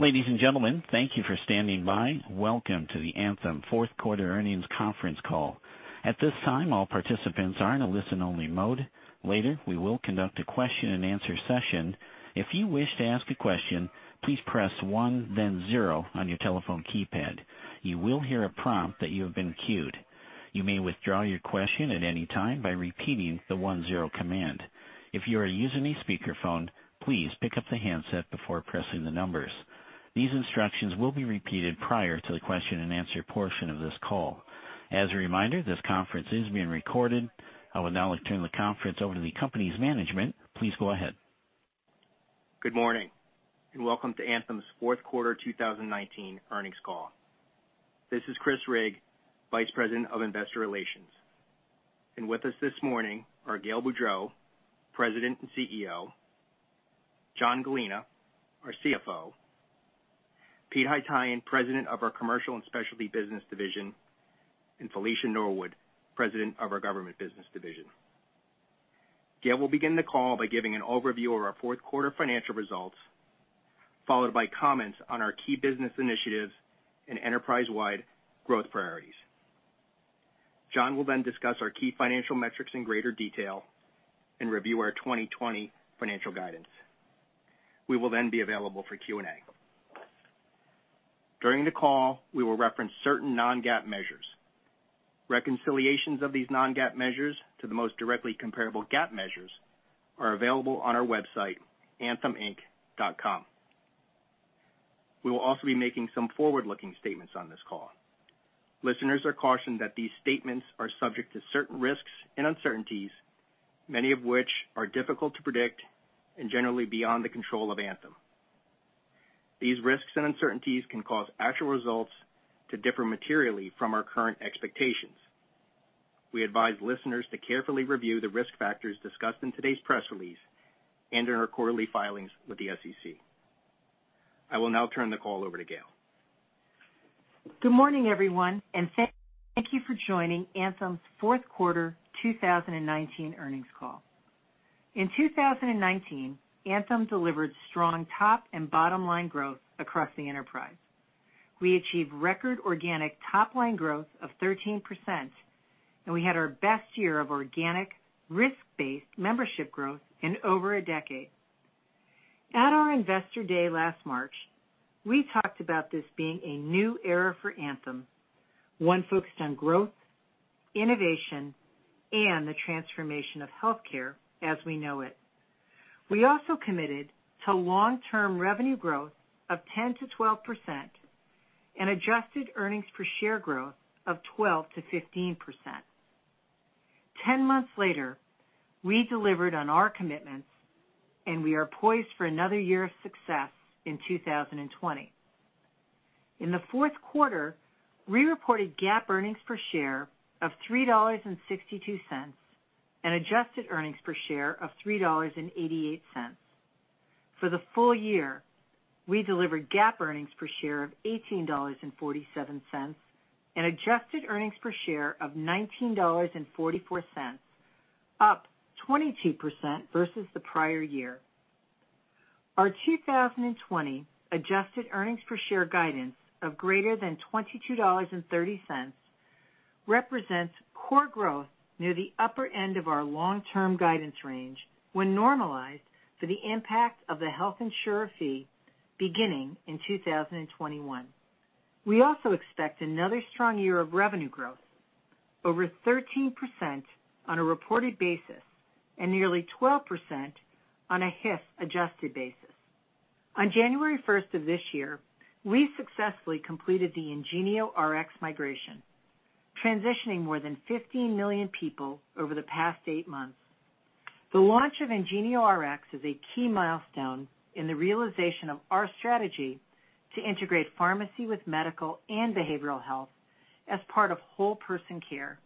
Ladies and gentlemen, thank you for standing by. Welcome to the Anthem fourth quarter earnings conference call. At this time, all participants are in a listen-only mode. Later, we will conduct a question and answer session. If you wish to ask a question, please press one then zero on your telephone keypad. You will hear a prompt that you have been queued. You may withdraw your question at any time by repeating the one-zero command. If you are using a speakerphone, please pick up the handset before pressing the numbers. These instructions will be repeated prior to the question and answer portion of this call. As a reminder, this conference is being recorded. I will now turn the conference over to the company's management. Please go ahead. Good morning, welcome to Anthem's fourth quarter 2019 earnings call. This is Chris Rigg, Vice President of Investor Relations. With us this morning are Gail Boudreaux, President and CEO, John Gallina, our CFO, Pete Haytaian, President of our Commercial and Specialty Business division, and Felicia Norwood, President of our Government Business Division. Gail will begin the call by giving an overview of our fourth quarter financial results, followed by comments on our key business initiatives and enterprise-wide growth priorities. John will then discuss our key financial metrics in greater detail and review our 2020 financial guidance. We will then be available for Q&A. During the call, we will reference certain non-GAAP measures. Reconciliations of these non-GAAP measures to the most directly comparable GAAP measures are available on our website, antheminc.com. We will also be making some forward-looking statements on this call. Listeners are cautioned that these statements are subject to certain risks and uncertainties, many of which are difficult to predict and generally beyond the control of Anthem. These risks and uncertainties can cause actual results to differ materially from our current expectations. We advise listeners to carefully review the risk factors discussed in today's press release and in our quarterly filings with the SEC. I will now turn the call over to Gail. Good morning, everyone, and thank you for joining Anthem's fourth quarter 2019 earnings call. In 2019, Anthem delivered strong top and bottom-line growth across the enterprise. We achieved record organic top-line growth of 13%, and we had our best year of organic, risk-based membership growth in over a decade. At our Investor Day last March, we talked about this being a new era for Anthem, one focused on growth, innovation, and the transformation of healthcare as we know it. We also committed to long-term revenue growth of 10%-12% and adjusted earnings per share growth of 12%-15%. Ten months later, we delivered on our commitments, and we are poised for another year of success in 2020. In the fourth quarter, we reported GAAP earnings per share of $3.62 and adjusted earnings per share of $3.88. For the full year, we delivered GAAP earnings per share of $18.47 and adjusted earnings per share of $19.44, up 22% versus the prior year. Our 2020 adjusted earnings per share guidance of greater than $22.30 represents core growth near the upper end of our long-term guidance range when normalized for the impact of the Health Insurance Fee beginning in 2021. We also expect another strong year of revenue growth, over 13% on a reported basis and nearly 12% on a HIF-adjusted basis. On January 1st of this year, we successfully completed the IngenioRx migration, transitioning more than 15 million people over the past eight months. The launch of IngenioRx is a key milestone in the realization of our strategy to integrate pharmacy with medical and behavioral health as part of whole person care.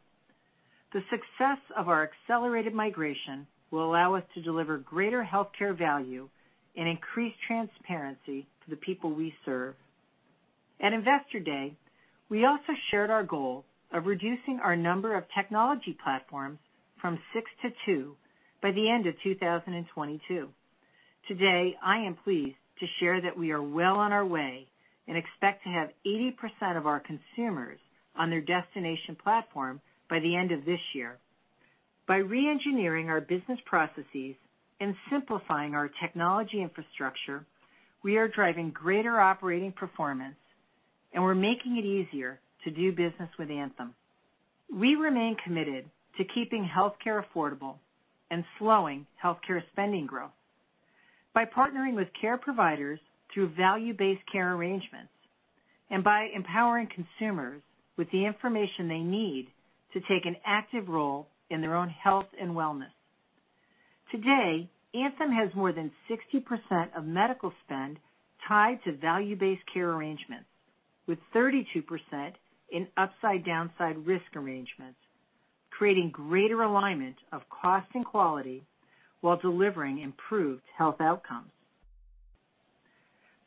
The success of our accelerated migration will allow us to deliver greater healthcare value and increased transparency to the people we serve. At Investor Day, we also shared our goal of reducing our number of technology platforms from six to two by the end of 2022. Today, I am pleased to share that we are well on our way and expect to have 80% of our consumers on their destination platform by the end of this year. By re-engineering our business processes and simplifying our technology infrastructure, we are driving greater operating performance, and we're making it easier to do business with Anthem. We remain committed to keeping healthcare affordable and slowing healthcare spending growth by partnering with care providers through value-based care arrangements and by empowering consumers with the information they need to take an active role in their own health and wellness. Today, Anthem has more than 60% of medical spend tied to value-based care arrangements, with 32% in upside/downside risk arrangements, creating greater alignment of cost and quality while delivering improved health outcomes.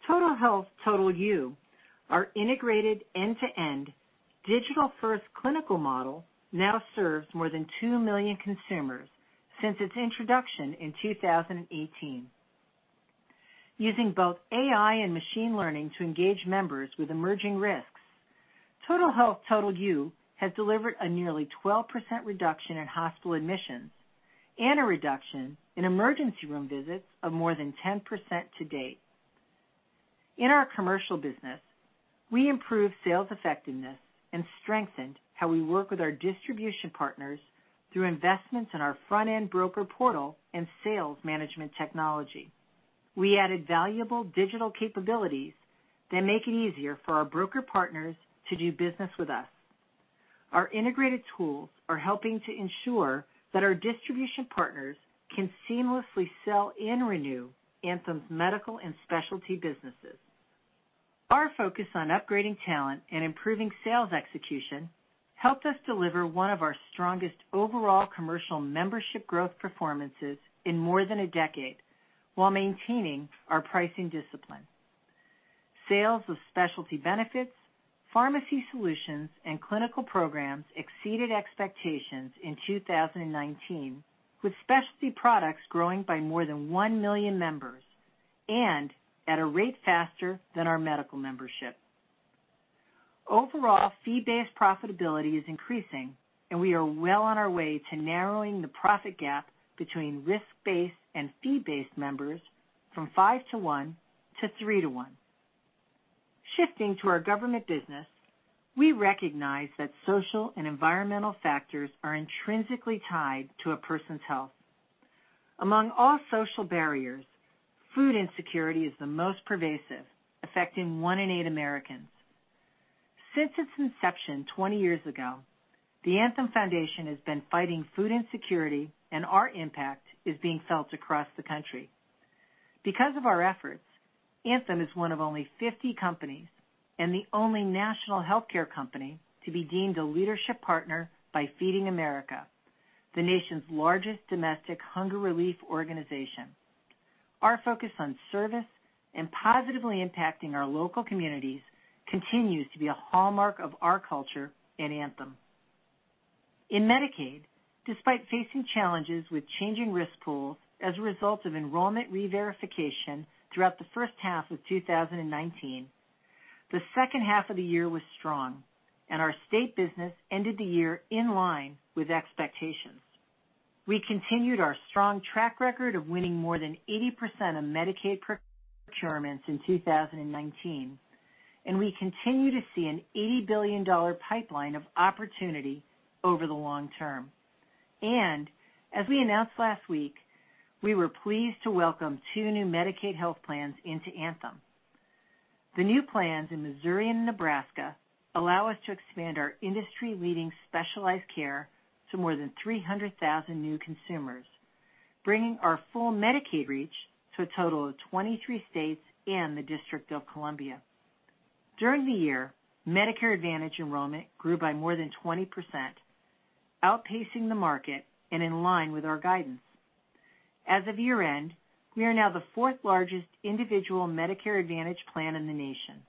Total Health, Total You, our integrated end-to-end digital first clinical model now serves more than 2 million consumers since its introduction in 2018. Using both AI and machine learning to engage members with emerging risks, Total Health, Total You has delivered a nearly 12% reduction in hospital admissions and a reduction in emergency room visits of more than 10% to date. In our commercial business, we improved sales effectiveness and strengthened how we work with our distribution partners through investments in our front-end broker portal and sales management technology. We added valuable digital capabilities that make it easier for our broker partners to do business with us. Our integrated tools are helping to ensure that our distribution partners can seamlessly sell and renew Anthem's medical and specialty businesses. Our focus on upgrading talent and improving sales execution helped us deliver one of our strongest overall commercial membership growth performances in more than a decade while maintaining our pricing discipline. Sales of specialty benefits, pharmacy solutions, and clinical programs exceeded expectations in 2019, with specialty products growing by more than 1 million members and at a rate faster than our medical membership. Overall fee-based profitability is increasing, we are well on our way to narrowing the profit gap between risk-based and fee-based members from 5-to-1 to 3-to-1. Shifting to our government business, we recognize that social and environmental factors are intrinsically tied to a person's health. Among all social barriers, food insecurity is the most pervasive, affecting one in eight Americans. Since its inception 20 years ago, the Anthem Foundation has been fighting food insecurity, and our impact is being felt across the country. Because of our efforts, Anthem is one of only 50 companies and the only national healthcare company to be deemed a leadership partner by Feeding America, the nation's largest domestic hunger relief organization. Our focus on service and positively impacting our local communities continues to be a hallmark of our culture at Anthem. In Medicaid, despite facing challenges with changing risk pools as a result of enrollment reverification throughout the first half of 2019, the second half of the year was strong, and our state business ended the year in line with expectations. We continued our strong track record of winning more than 80% of Medicaid procurements in 2019, and we continue to see an $80 billion pipeline of opportunity over the long term. As we announced last week, we were pleased to welcome two new Medicaid health plans into Anthem. The new plans in Missouri and Nebraska allow us to expand our industry-leading specialized care to more than 300,000 new consumers, bringing our full Medicaid reach to a total of 23 states and the District of Columbia. During the year, Medicare Advantage enrollment grew by more than 20%, outpacing the market and in line with our guidance. As of year-end, we are now the fourth largest individual Medicare Advantage plan in the nation.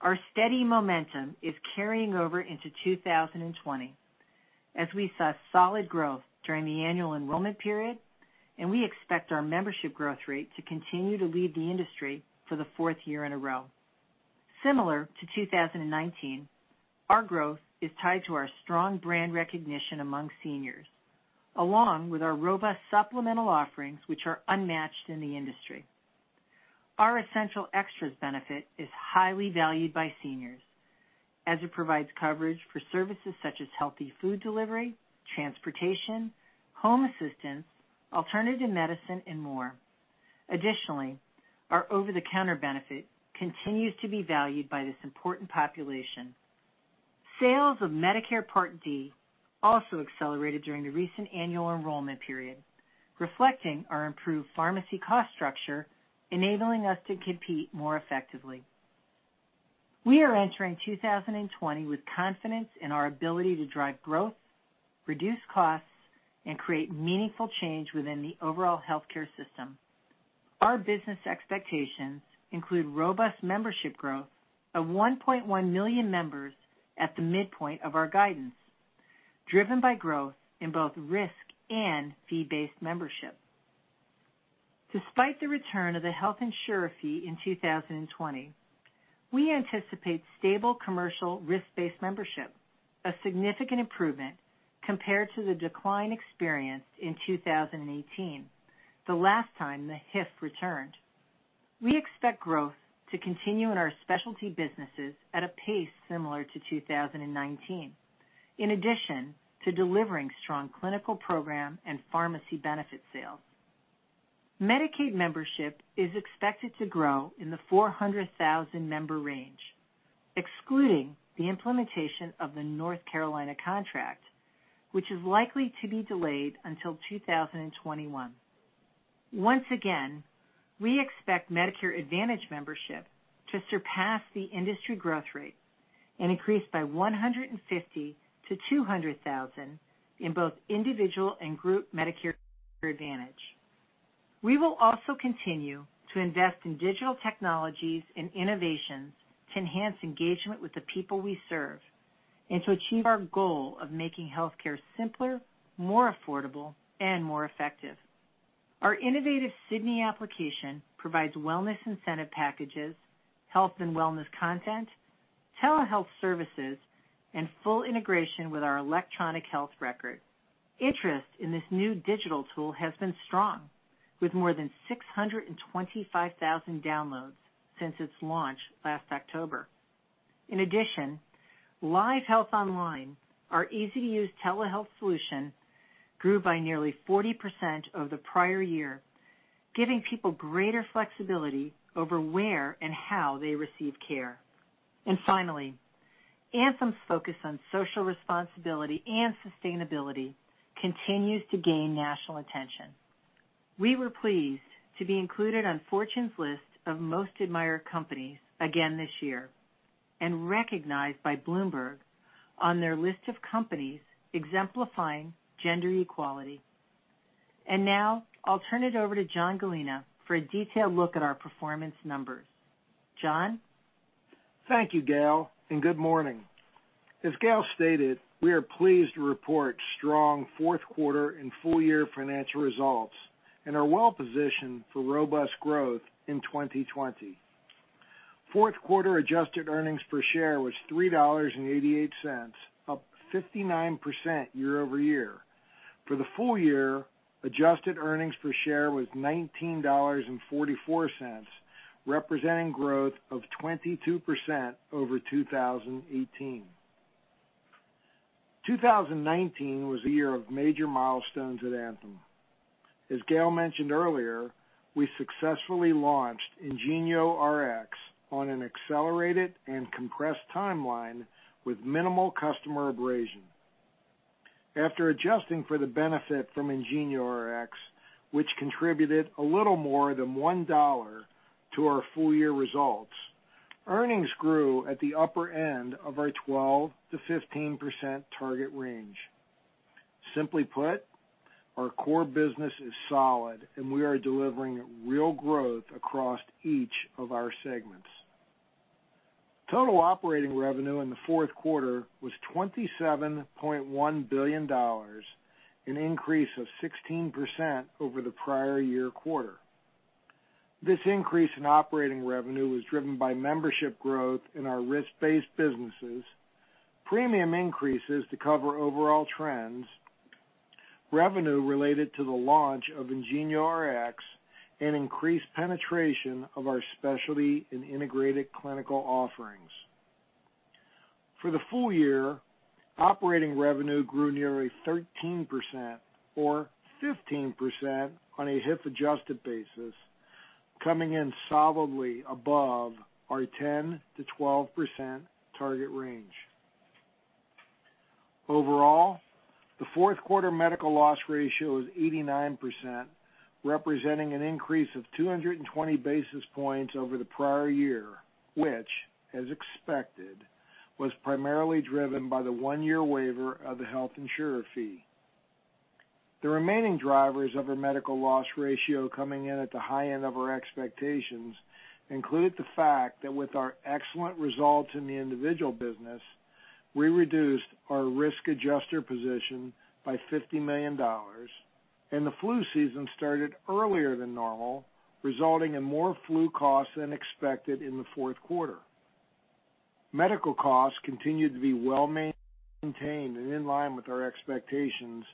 Our steady momentum is carrying over into 2020 as we saw solid growth during the annual enrollment period, and we expect our membership growth rate to continue to lead the industry for the fourth year in a row. Similar to 2019, our growth is tied to our strong brand recognition among seniors, along with our robust supplemental offerings, which are unmatched in the industry. Our Essential Extras benefit is highly valued by seniors as it provides coverage for services such as healthy food delivery, transportation, home assistance, alternative medicine, and more. Additionally, our over-the-counter benefit continues to be valued by this important population. Sales of Medicare Part D also accelerated during the recent annual enrollment period, reflecting our improved pharmacy cost structure, enabling us to compete more effectively. We are entering 2020 with confidence in our ability to drive growth, reduce costs, and create meaningful change within the overall healthcare system. Our business expectations include robust membership growth of $1.1 million members at the midpoint of our guidance, driven by growth in both risk and fee-based membership. Despite the return of the health insurer fee in 2020, we anticipate stable commercial risk-based membership, a significant improvement compared to the decline experienced in 2018, the last time the HIF returned. We expect growth to continue in our specialty businesses at a pace similar to 2019, in addition to delivering strong clinical program and pharmacy benefit sales. Medicaid membership is expected to grow in the 400,000 member range, excluding the implementation of the North Carolina contract, which is likely to be delayed until 2021. Once again, we expect Medicare Advantage membership to surpass the industry growth rate. Increased by 150,000-200,000 in both individual and group Medicare Advantage. We will also continue to invest in digital technologies and innovations to enhance engagement with the people we serve and to achieve our goal of making healthcare simpler, more affordable and more effective. Our innovative Sydney application provides wellness incentive packages, health and wellness content, telehealth services, and full integration with our electronic health record. Interest in this new digital tool has been strong, with more than 625,000 downloads since its launch last October. In addition, LiveHealth Online, our easy-to-use telehealth solution, grew by nearly 40% over the prior year, giving people greater flexibility over where and how they receive care. Finally, Anthem's focus on social responsibility and sustainability continues to gain national attention. We were pleased to be included on Fortune's list of most admired companies again this year, and recognized by Bloomberg on their list of companies exemplifying gender equality. Now I'll turn it over to John Gallina for a detailed look at our performance numbers. John? Thank you, Gail. Good morning. As Gail stated, we are pleased to report strong fourth quarter and full year financial results, and are well positioned for robust growth in 2020. Fourth quarter adjusted earnings per share was $3.88, up 59% year-over-year. For the full year, adjusted earnings per share was $19.44, representing growth of 22% over 2018. 2019 was a year of major milestones at Anthem. As Gail mentioned earlier, we successfully launched IngenioRx on an accelerated and compressed timeline with minimal customer abrasion. After adjusting for the benefit from IngenioRx, which contributed a little more than $1 to our full year results, earnings grew at the upper end of our 12%-15% target range. Simply put, our core business is solid, and we are delivering real growth across each of our segments. Total operating revenue in the fourth quarter was $27.1 billion, an increase of 16% over the prior year quarter. This increase in operating revenue was driven by membership growth in our risk-based businesses, premium increases to cover overall trends, revenue related to the launch of IngenioRx, and increased penetration of our specialty in integrated clinical offerings. For the full year, operating revenue grew nearly 13% or 15% on a HIF adjusted basis, coming in solidly above our 10%-12% target range. Overall, the fourth quarter medical loss ratio is 89%, representing an increase of 220 basis points over the prior year, which, as expected, was primarily driven by the one-year waiver of the Health Insurance Fee. The remaining drivers of our Medical Loss Ratio coming in at the high end of our expectations included the fact that with our excellent results in the individual business, we reduced our risk adjuster position by $50 million, and the flu season started earlier than normal, resulting in more flu costs than expected in the fourth quarter. Medical costs continued to be well maintained and in line with our expectations,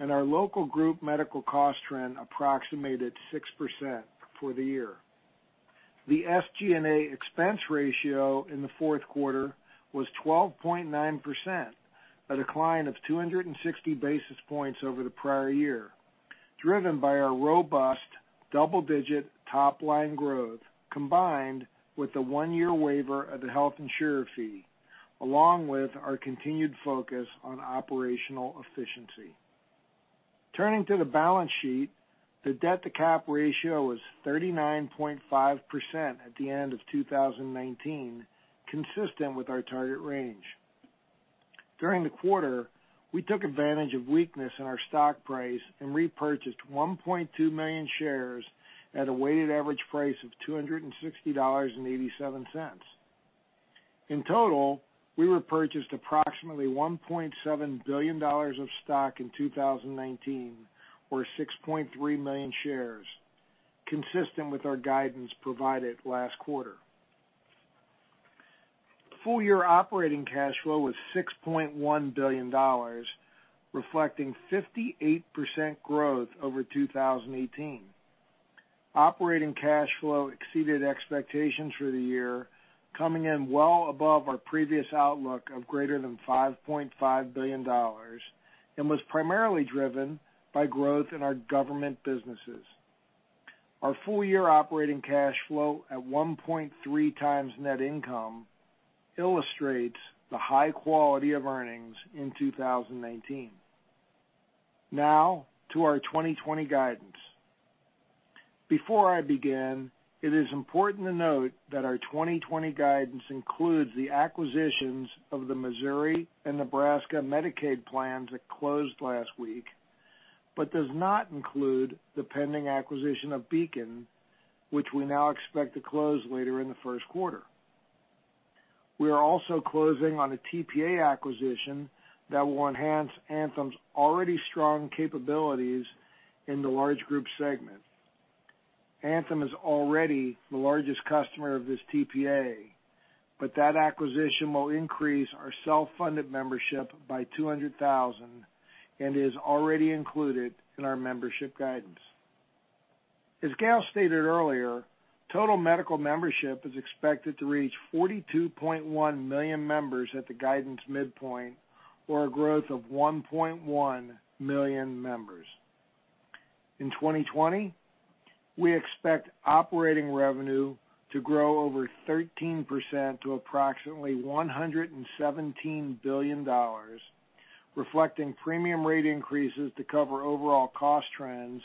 and our local group medical cost trend approximated 6% for the year. The SG&A expense ratio in the fourth quarter was 12.9%, a decline of 260 basis points over the prior year, driven by our robust double-digit top-line growth, combined with the one-year waiver of the Health Insurance Fee, along with our continued focus on operational efficiency. Turning to the balance sheet, the debt to cap ratio was 39.5% at the end of 2019, consistent with our target range. During the quarter, we took advantage of weakness in our stock price and repurchased 1.2 million shares at a weighted average price of $260.87. In total, we repurchased approximately $1.7 billion of stock in 2019, or 6.3 million shares, consistent with our guidance provided last quarter. Full year operating cash flow was $6.1 billion, reflecting 58% growth over 2018. Operating cash flow exceeded expectations for the year, coming in well above our previous outlook of greater than $5.5 billion and was primarily driven by growth in our government businesses. Our full year operating cash flow at 1.3x net income illustrates the high quality of earnings in 2019. Now to our 2020 guidance. Before I begin, it is important to note that our 2020 guidance includes the acquisitions of the Missouri and Nebraska Medicaid plans that closed last week, but does not include the pending acquisition of Beacon, which we now expect to close later in the first quarter. We are also closing on a TPA acquisition that will enhance Anthem's already strong capabilities in the large group segment. Anthem is already the largest customer of this TPA, but that acquisition will increase our self-funded membership by 200,000 and is already included in our membership guidance. As Gail stated earlier, total medical membership is expected to reach 42.1 million members at the guidance midpoint, or a growth of 1.1 million members. In 2020, we expect operating revenue to grow over 13% to approximately $117 billion, reflecting premium rate increases to cover overall cost trends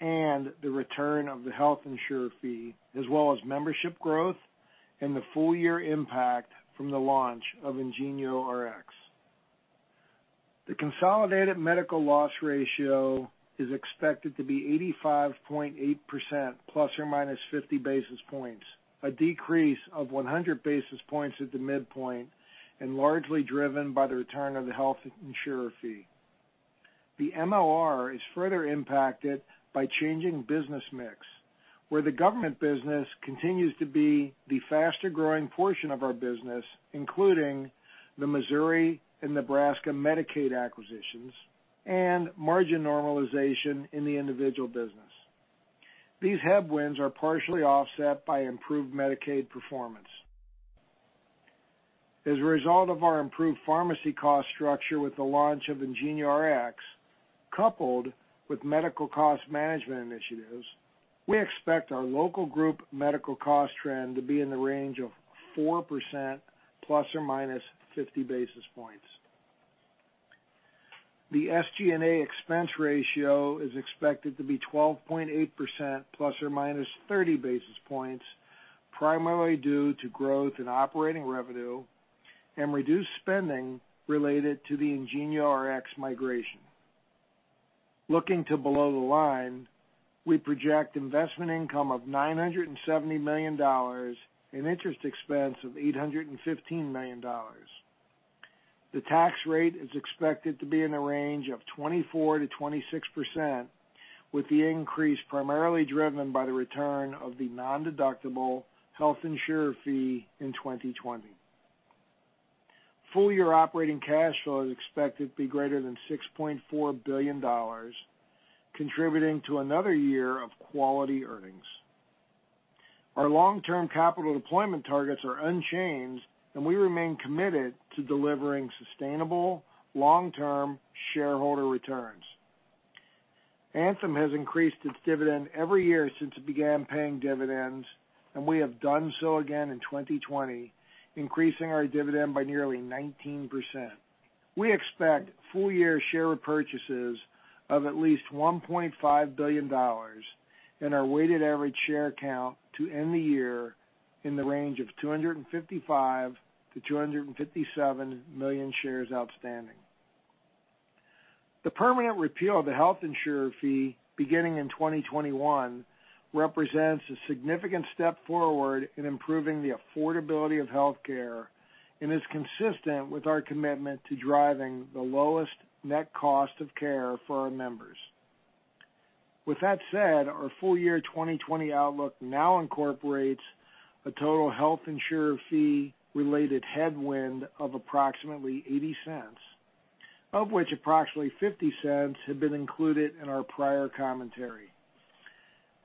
and the return of the health insurer fee, as well as membership growth and the full year impact from the launch of IngenioRx. The consolidated medical loss ratio is expected to be 85.8% ±50 basis points, a decrease of 100 basis points at the midpoint, largely driven by the return of the health insurer fee. The MLR is further impacted by changing business mix, where the government business continues to be the faster-growing portion of our business, including the Missouri and Nebraska Medicaid acquisitions and margin normalization in the individual business. These headwinds are partially offset by improved Medicaid performance. As a result of our improved pharmacy cost structure with the launch of IngenioRx, coupled with medical cost management initiatives, we expect our local group medical cost trend to be in the range of 4% ± 50 basis points. The SG&A expense ratio is expected to be 12.8% ± 30 basis points, primarily due to growth in operating revenue and reduced spending related to the IngenioRx migration. Looking to below the line, we project investment income of $970 million and interest expense of $815 million. The tax rate is expected to be in the range of 24%-26%, with the increase primarily driven by the return of the nondeductible Health Insurer Fee in 2020. Full-year operating cash flow is expected to be greater than $6.4 billion, contributing to another year of quality earnings. Our long-term capital deployment targets are unchanged, and we remain committed to delivering sustainable long-term shareholder returns. Anthem has increased its dividend every year since it began paying dividends, and we have done so again in 2020, increasing our dividend by nearly 19%. We expect full-year share repurchases of at least $1.5 billion and our weighted average share count to end the year in the range of 255 million-257 million shares outstanding. The permanent repeal of the Health Insurance Fee beginning in 2021 represents a significant step forward in improving the affordability of healthcare and is consistent with our commitment to driving the lowest net cost of care for our members. With that said, our full-year 2020 outlook now incorporates a total Health Insurance Fee-related headwind of approximately $0.80, of which approximately $0.50 had been included in our prior commentary.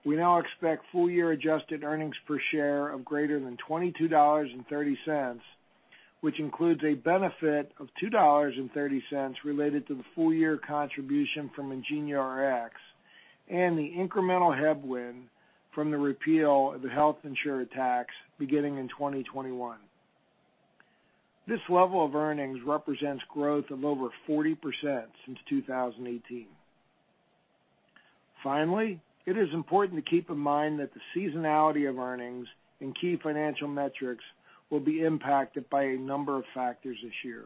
We now expect full-year adjusted earnings per share of greater than $22.30, which includes a benefit of $2.30 related to the full-year contribution from IngenioRx and the incremental headwind from the repeal of the health insurer tax beginning in 2021. This level of earnings represents growth of over 40% since 2018. It is important to keep in mind that the seasonality of earnings and key financial metrics will be impacted by a number of factors this year.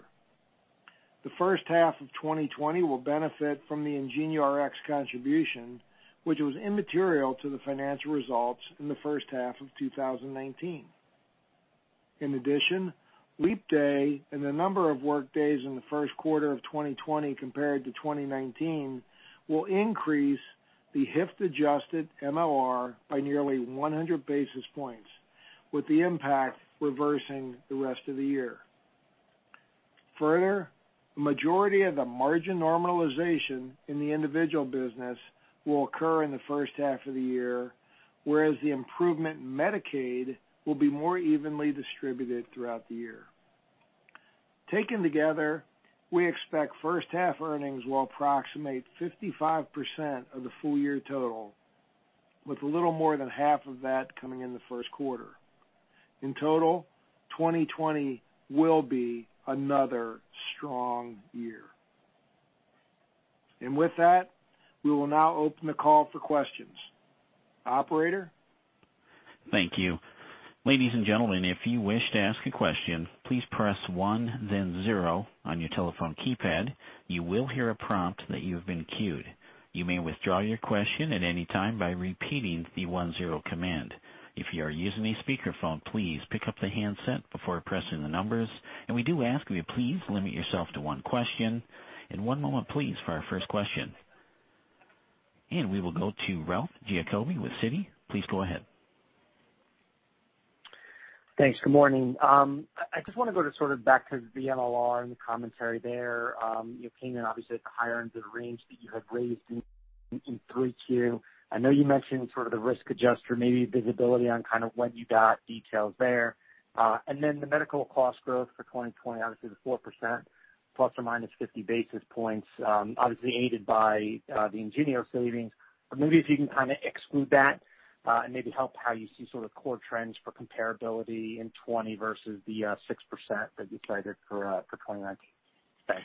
The first half of 2020 will benefit from the IngenioRx contribution, which was immaterial to the financial results in the first half of 2019. Leap day and the number of workdays in the first quarter of 2020 compared to 2019 will increase the HIF-adjusted MLR by nearly 100 basis points, with the impact reversing the rest of the year. Further, the majority of the margin normalization in the individual business will occur in the first half of the year, whereas the improvement in Medicaid will be more evenly distributed throughout the year. Taken together, we expect first half earnings will approximate 55% of the full-year total, with a little more than half of that coming in the first quarter. In total, 2020 will be another strong year. With that, we will now open the call for questions. Operator? Thank you. Ladies and gentlemen, if you wish to ask a question, please press one, then zero on your telephone keypad. You will hear a prompt that you have been queued. You may withdraw your question at any time by repeating the one-zero command. If you are using a speakerphone, please pick up the handset before pressing the numbers. We do ask you please limit yourself to one question. One moment, please, for our first question. We will go to Ralph Giacobbe with Citi. Please go ahead. Thanks. Good morning. I just want to go to sort of back to the MLR and the commentary there. You came in, obviously, at the higher end of the range that you had raised in 3Q. I know you mentioned sort of the risk adjuster, maybe visibility on kind of what you got, details there. The medical cost growth for 2020, obviously the 4% ±50 basis points, obviously aided by the IngenioRx savings. Maybe if you can kind of exclude that and maybe help how you see sort of core trends for comparability in 2020 versus the 6% that you cited for 2019. Thanks.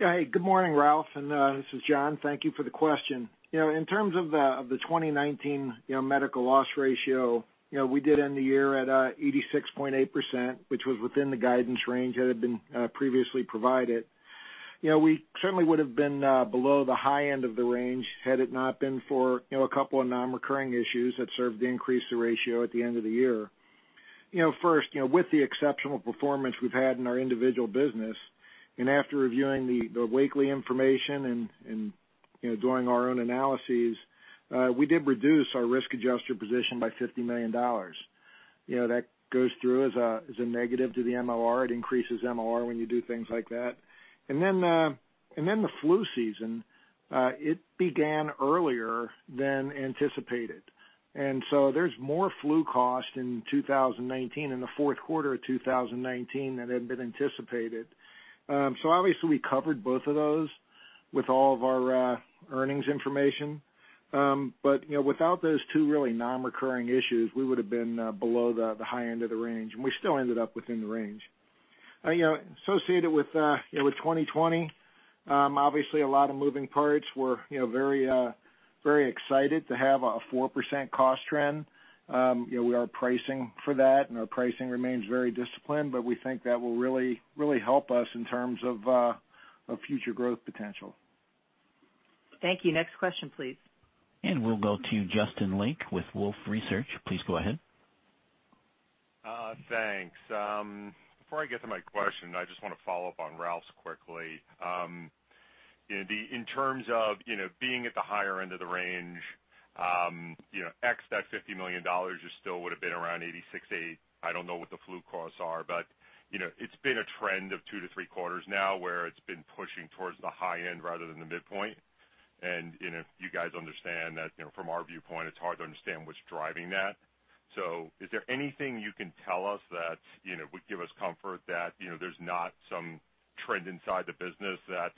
Yeah. Hey, good morning, Ralph. This is John. Thank you for the question. In terms of the 2019 Medical Loss Ratio, we did end the year at 86.8%, which was within the guidance range that had been previously provided. We certainly would've been below the high end of the range had it not been for a couple of non-recurring issues that served to increase the ratio at the end of the year. First, with the exceptional performance we've had in our individual business, after reviewing the weekly information and doing our own analyses, we did reduce our risk adjuster position by $50 million. That goes through as a negative to the MLR. It increases MLR when you do things like that. The flu season, it began earlier than anticipated, and so there's more flu cost in 2019, in the fourth quarter of 2019, than had been anticipated. Obviously, we covered both of those with all of our earnings information. Without those two really non-recurring issues, we would've been below the high end of the range, and we still ended up within the range. Associated with 2020, obviously a lot of moving parts. We're very excited to have a 4% cost trend. We are pricing for that, and our pricing remains very disciplined, but we think that will really help us in terms of future growth potential. Thank you. Next question, please. We'll go to Justin Lake with Wolfe Research. Please go ahead. Thanks. Before I get to my question, I just want to follow up on Ralph's quickly. In terms of being at the higher end of the range, ex that $50 million, you still would've been around 86.8%. I don't know what the flu costs are, but it's been a trend of two to three quarters now where it's been pushing towards the high end rather than the midpoint. You guys understand that from our viewpoint, it's hard to understand what's driving that. Is there anything you can tell us that would give us comfort that there's not some trend inside the business that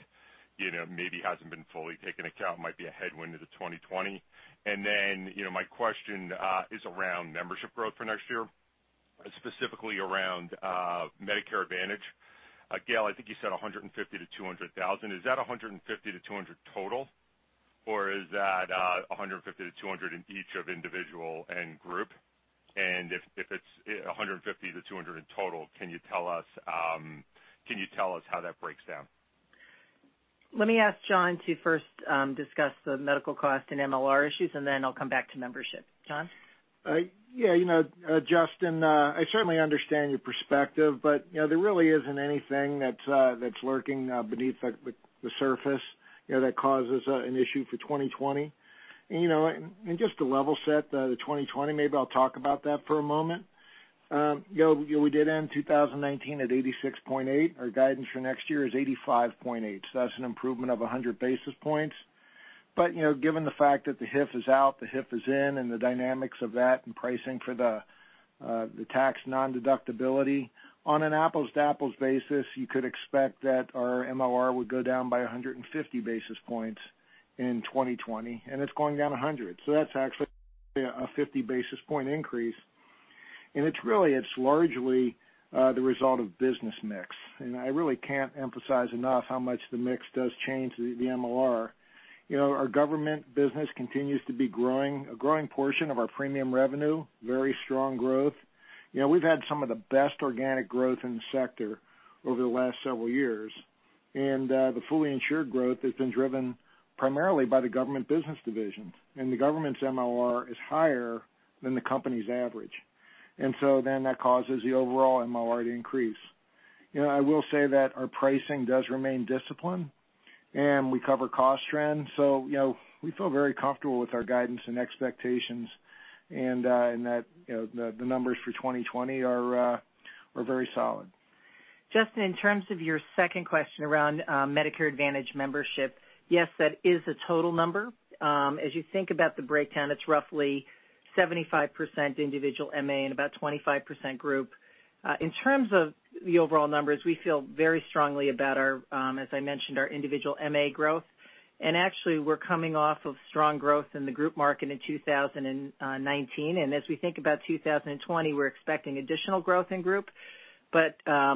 maybe hasn't been fully taken account, might be a headwind into 2020? My question is around membership growth for next year, specifically around Medicare Advantage. Gail, I think you said 150,000 to 200,000. Is that 150,000-200,000 total, or is that 150,000-200,000 in each of individual and group? If it's 150,000-200,000 in total, can you tell us how that breaks down? Let me ask John to first discuss the medical cost and MLR issues, and then I'll come back to membership. John? Justin, I certainly understand your perspective, there really isn't anything that's lurking beneath the surface that causes an issue for 2020. Just to level set the 2020, maybe I'll talk about that for a moment. We did end 2019 at 86.8%. Our guidance for next year is 85.8%, so that's an improvement of 100 basis points. Given the fact that the HIF is out, the HIF is in, and the dynamics of that and pricing for the tax nondeductibility, on an apples-to-apples basis, you could expect that our MLR would go down by 150 basis points in 2020, and it's going down 100. That's actually a 50 basis point increase, and it's largely the result of business mix. I really can't emphasize enough how much the mix does change the MLR. Our government business continues to be a growing portion of our premium revenue. Very strong growth. We've had some of the best organic growth in the sector over the last several years. The fully insured growth has been driven primarily by the Government Business Division, the government's MLR is higher than the company's average. That causes the overall MLR to increase. I will say that our pricing does remain disciplined, and we cover cost trends, so we feel very comfortable with our guidance and expectations, and that the numbers for 2020 are very solid. Justin, in terms of your second question around Medicare Advantage membership, yes, that is the total number. As you think about the breakdown, it's roughly 75% individual MA and about 25% group. In terms of the overall numbers, we feel very strongly about our, as I mentioned, our individual MA growth. Actually, we're coming off of strong growth in the group market in 2019. As we think about 2020, we're expecting additional growth in group.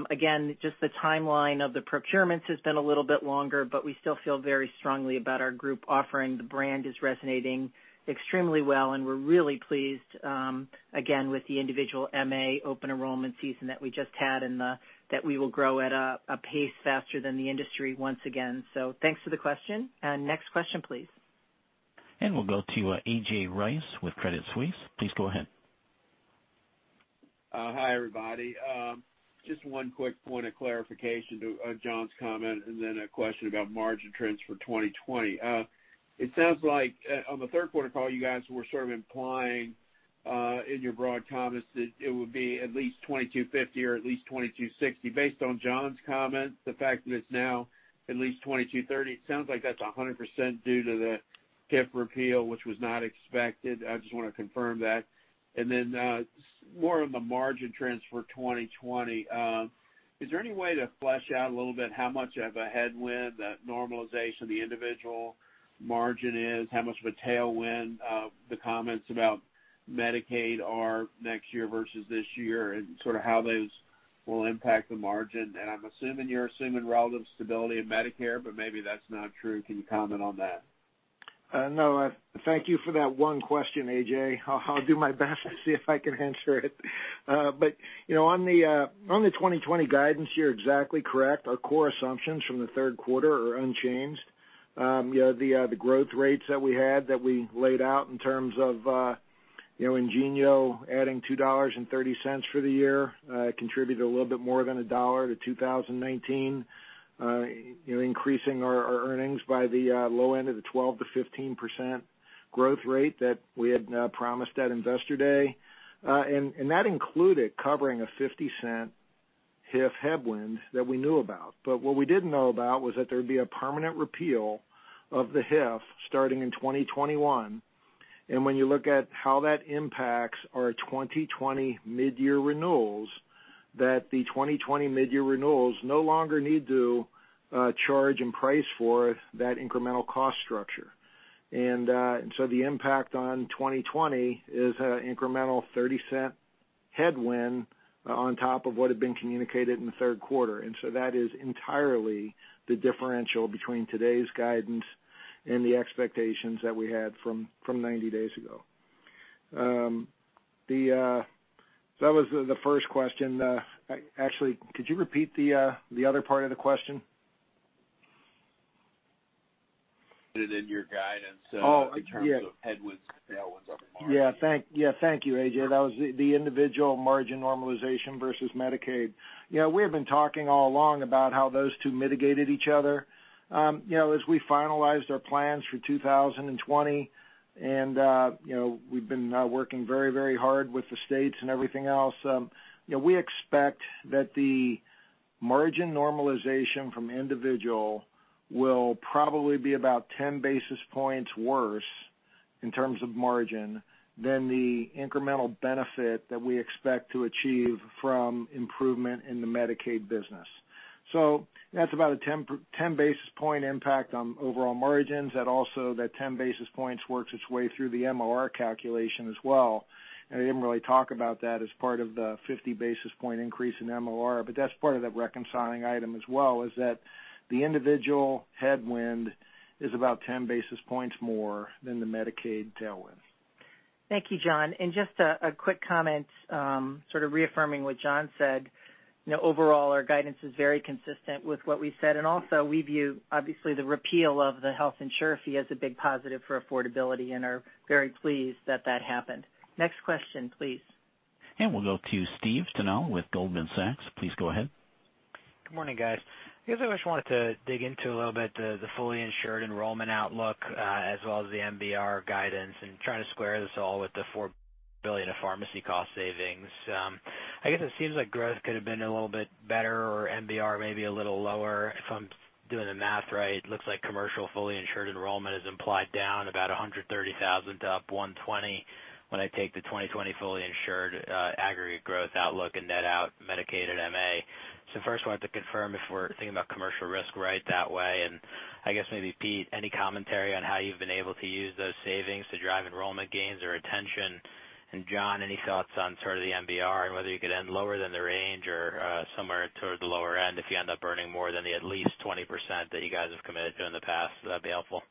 Again, just the timeline of the procurements has been a little bit longer, but we still feel very strongly about our group offering. The brand is resonating extremely well, and we're really pleased, again, with the individual MA open enrollment season that we just had, and that we will grow at a pace faster than the industry once again. Thanks for the question. Next question, please. We'll go to A.J. Rice with Credit Suisse. Please go ahead. Hi, everybody. Just one quick point of clarification to John's comment and then a question about margin trends for 2020. It sounds like on the third quarter call, you guys were sort of implying, in your broad comments, that it would be at least 22.5% or at least 22.6%. Based on John's comments, the fact that it's now at least 22.3%, it sounds like that's 100% due to the HIF repeal, which was not expected. I just want to confirm that. More on the margin trends for 2020. Is there any way to flesh out a little bit how much of a headwind that normalization of the individual margin is? How much of a tailwind the comments about Medicaid are next year versus this year, and sort of how those will impact the margin? I'm assuming you're assuming relative stability in Medicare, but maybe that's not true. Can you comment on that? No. Thank you for that one question, A.J. I'll do my best to see if I can answer it. On the 2020 guidance, you're exactly correct. Our core assumptions from the third quarter are unchanged. The growth rates that we had, that we laid out in terms of IngenioRx adding $2.30 for the year, contributed a little bit more than $1 to 2019, increasing our earnings by the low end of the 12%-15% growth rate that we had promised at Investor Day. That included covering a $0.50 HIF headwind that we knew about. What we didn't know about was that there'd be a permanent repeal of the HIF starting in 2021. When you look at how that impacts our 2020 mid-year renewals, that the 2020 mid-year renewals no longer need to charge and price for that incremental cost structure. The impact on 2020 is an incremental $0.30 headwind on top of what had been communicated in the third quarter. That is entirely the differential between today's guidance and the expectations that we had from 90 days ago. That was the first question. Actually, could you repeat the other part of the question? Put it in your guidance. Oh. In terms of headwinds to tailwinds on the margin. Yeah. Thank you, A.J. That was the individual margin normalization versus Medicaid. We have been talking all along about how those two mitigated each other. As we finalized our plans for 2020, and we've been working very hard with the states and everything else. We expect that the margin normalization from individual will probably be about 10 basis points worse in terms of margin than the incremental benefit that we expect to achieve from improvement in the Medicaid business. That's about a 10 basis point impact on overall margins. That also, that 10 basis points works its way through the MLR calculation as well. I didn't really talk about that as part of the 50 basis point increase in MLR, but that's part of that reconciling item as well, is that the individual headwind is about 10 basis points more than the Medicaid tailwind. Thank you, John. Just a quick comment, sort of reaffirming what John said. Overall, our guidance is very consistent with what we said, and also we view, obviously, the repeal of the Health Insurance Fee as a big positive for affordability and are very pleased that that happened. Next question, please. We'll go to Steve Tanal with Goldman Sachs. Please go ahead. Good morning, guys. I just wanted to dig into a little bit the fully insured enrollment outlook, as well as the MLR guidance and trying to square this all with the $4 billion of pharmacy cost savings. It seems like growth could've been a little bit better or MLR may be a little lower. If I'm doing the math right, it looks like commercial fully insured enrollment is implied down about 130,000 to up 120 when I take the 2020 fully insured aggregate growth outlook and net out Medicaid and MA. First wanted to confirm if we're thinking about commercial risk right that way, and maybe Pete, any commentary on how you've been able to use those savings to drive enrollment gains or retention? John, any thoughts on sort of the MLR and whether you could end lower than the range or somewhere toward the lower end if you end up earning more than the at least 20% that you guys have committed to in the past? That'd be helpful.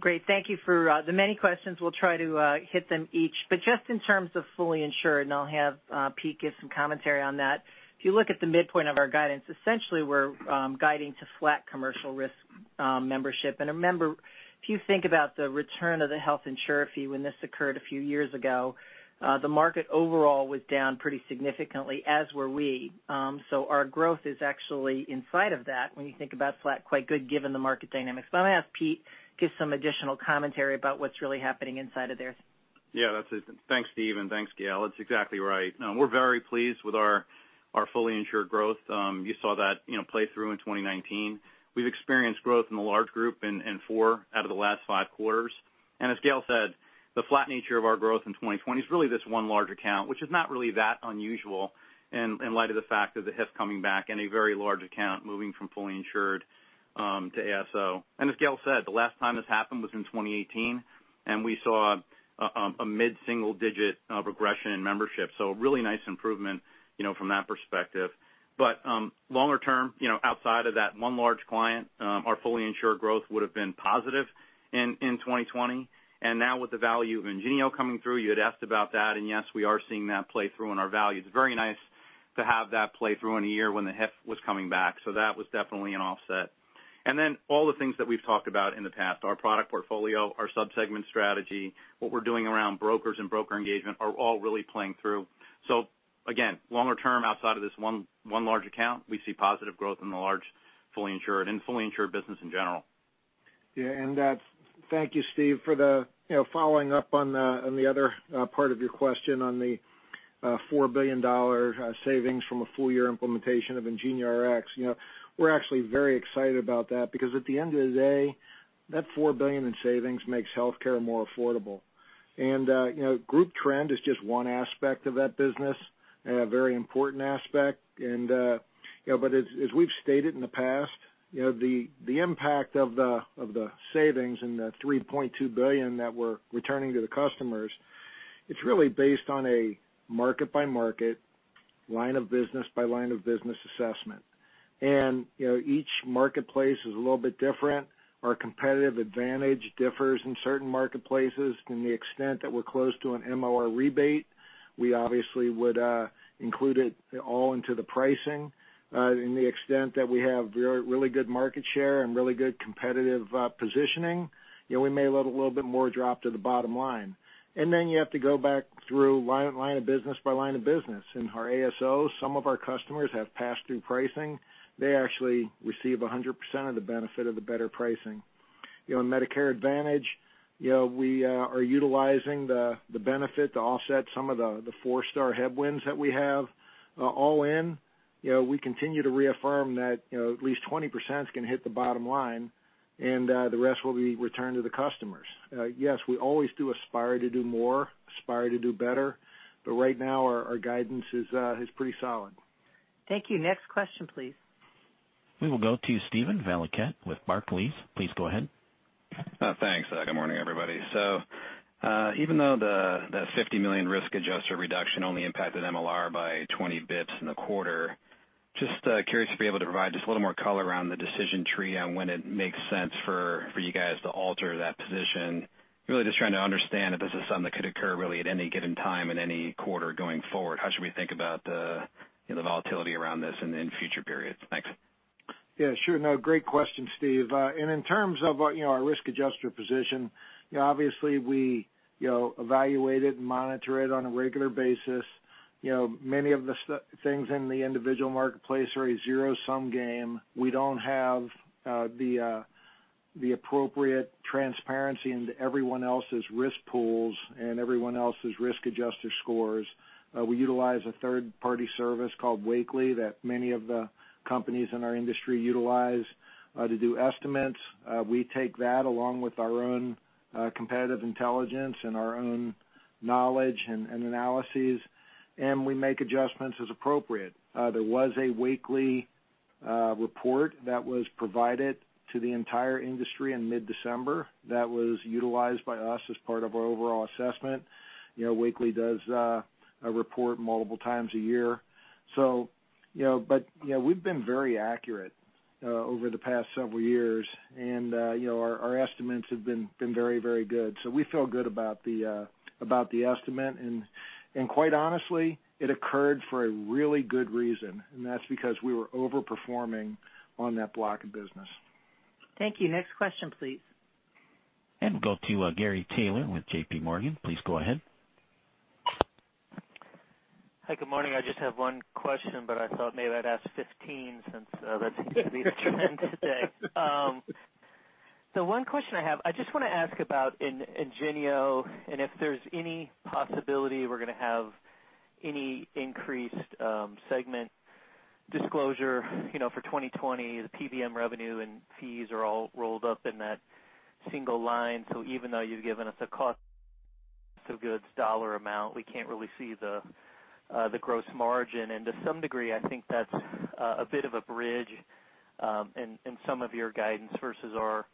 Great. Thank you for the many questions. We'll try to hit them each. Just in terms of fully insured, and I'll have Pete give some commentary on that. If you look at the midpoint of our guidance, essentially we're guiding to flat commercial risk membership. Remember, if you think about the return of the Health Insurance Fee when this occurred a few years ago, the market overall was down pretty significantly, as were we. Our growth is actually inside of that when you think about flat, quite good given the market dynamics. I'm going to ask Pete, give some additional commentary about what's really happening inside of there. Yeah. Thanks, Steve, and thanks, Gail. That's exactly right. No, we're very pleased with our fully insured growth. You saw that play through in 2019. We've experienced growth in the large group in four out of the last five quarters. As Gail said, the flat nature of our growth in 2020 is really this one large account, which is not really that unusual in light of the fact of the HIF coming back and a very large account moving from fully insured to ASO. As Gail said, the last time this happened was in 2018, and we saw a mid-single digit regression in membership. Really nice improvement from that perspective. Longer term, outside of that one large client, our fully insured growth would have been positive in 2020. Now with the value of IngenioRx coming through, you had asked about that, yes, we are seeing that play through in our values. Very nice to have that play through in a year when the HIF was coming back. That was definitely an offset. Then all the things that we've talked about in the past, our product portfolio, our sub-segment strategy, what we're doing around brokers and broker engagement are all really playing through. Again, longer term, outside of this one large account, we see positive growth in the large fully insured and fully insured business in general. Yeah, thank you, Steve, for the following up on the other part of your question on the $4 billion savings from a full year implementation of IngenioRx. We're actually very excited about that because at the end of the day, that $4 billion in savings makes healthcare more affordable. Group trend is just one aspect of that business, a very important aspect. As we've stated in the past, the impact of the savings and the $3.2 billion that we're returning to the customers, it's really based on a market-by-market, line of business by line of business assessment. Each marketplace is a little bit different. Our competitive advantage differs in certain marketplaces. In the extent that we're close to an MLR rebate, we obviously would include it all into the pricing. In the extent that we have really good market share and really good competitive positioning, we may let a little bit more drop to the bottom line. Then you have to go back through line of business by line of business. In our ASO, some of our customers have pass-through pricing. They actually receive 100% of the benefit of the better pricing. In Medicare Advantage, we are utilizing the benefit to offset some of the four-star headwinds that we have. All in, we continue to reaffirm that at least 20% is going to hit the bottom line and the rest will be returned to the customers. Yes, we always do aspire to do more, aspire to do better, but right now our guidance is pretty solid. Thank you. Next question, please. We will go to Steven Valiquette with Barclays. Please go ahead. Thanks. Good morning, everybody. Even though the $50 million risk adjuster reduction only impacted MLR by 20 basis points in the quarter, just curious if you'd be able to provide just a little more color around the decision tree on when it makes sense for you guys to alter that position. Really just trying to understand if this is something that could occur really at any given time in any quarter going forward. How should we think about the volatility around this in future periods? Thanks. Yeah, sure. No, great question, Steve. In terms of our risk adjuster position, obviously we evaluate it and monitor it on a regular basis. Many of the things in the individual marketplace are a zero-sum game. We don't have the appropriate transparency into everyone else's risk pools and everyone else's risk adjuster scores. We utilize a third-party service called Wakely that many of the companies in our industry utilize to do estimates. We take that along with our own competitive intelligence and our own knowledge and analyses, and we make adjustments as appropriate. There was a Wakely report that was provided to the entire industry in mid-December that was utilized by us as part of our overall assessment. Wakely does a report multiple times a year. We've been very accurate over the past several years, and our estimates have been very good. We feel good about the estimate. Quite honestly, it occurred for a really good reason, and that's because we were over-performing on that block of business. Thank you. Next question, please. Go to Gary Taylor with JPMorgan. Please go ahead. Hi, good morning. I just have one question. I thought maybe I'd ask 15 since that seems to be the trend today. One question I have, I just want to ask about IngenioRx and if there's any possibility we're going to have any increased segment disclosure for 2020. The PBM revenue and fees are all rolled up in that single line. Even though you've given us a cost of goods dollar amount, we can't really see the gross margin. To some degree, I think that's a bit of a bridge in some of your guidance versus our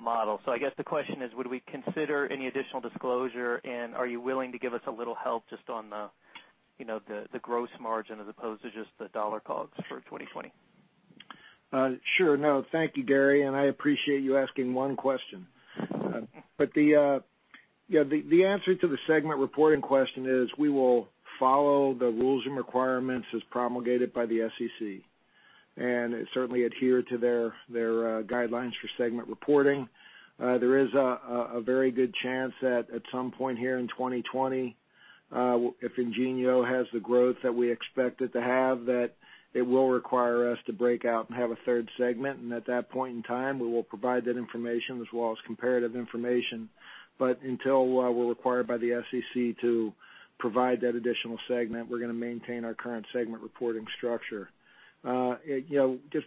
model. I guess the question is, would we consider any additional disclosure, and are you willing to give us a little help just on the gross margin as opposed to just the dollar costs for 2020? Sure. No, thank you, Gary, I appreciate you asking one question. The answer to the segment reporting question is we will follow the rules and requirements as promulgated by the SEC, and certainly adhere to their guidelines for segment reporting. There is a very good chance that at some point here in 2020, if IngenioRx has the growth that we expect it to have, that it will require us to break out and have a third segment. At that point in time, we will provide that information as well as comparative information. Until we're required by the SEC to provide that additional segment, we're going to maintain our current segment reporting structure. As you can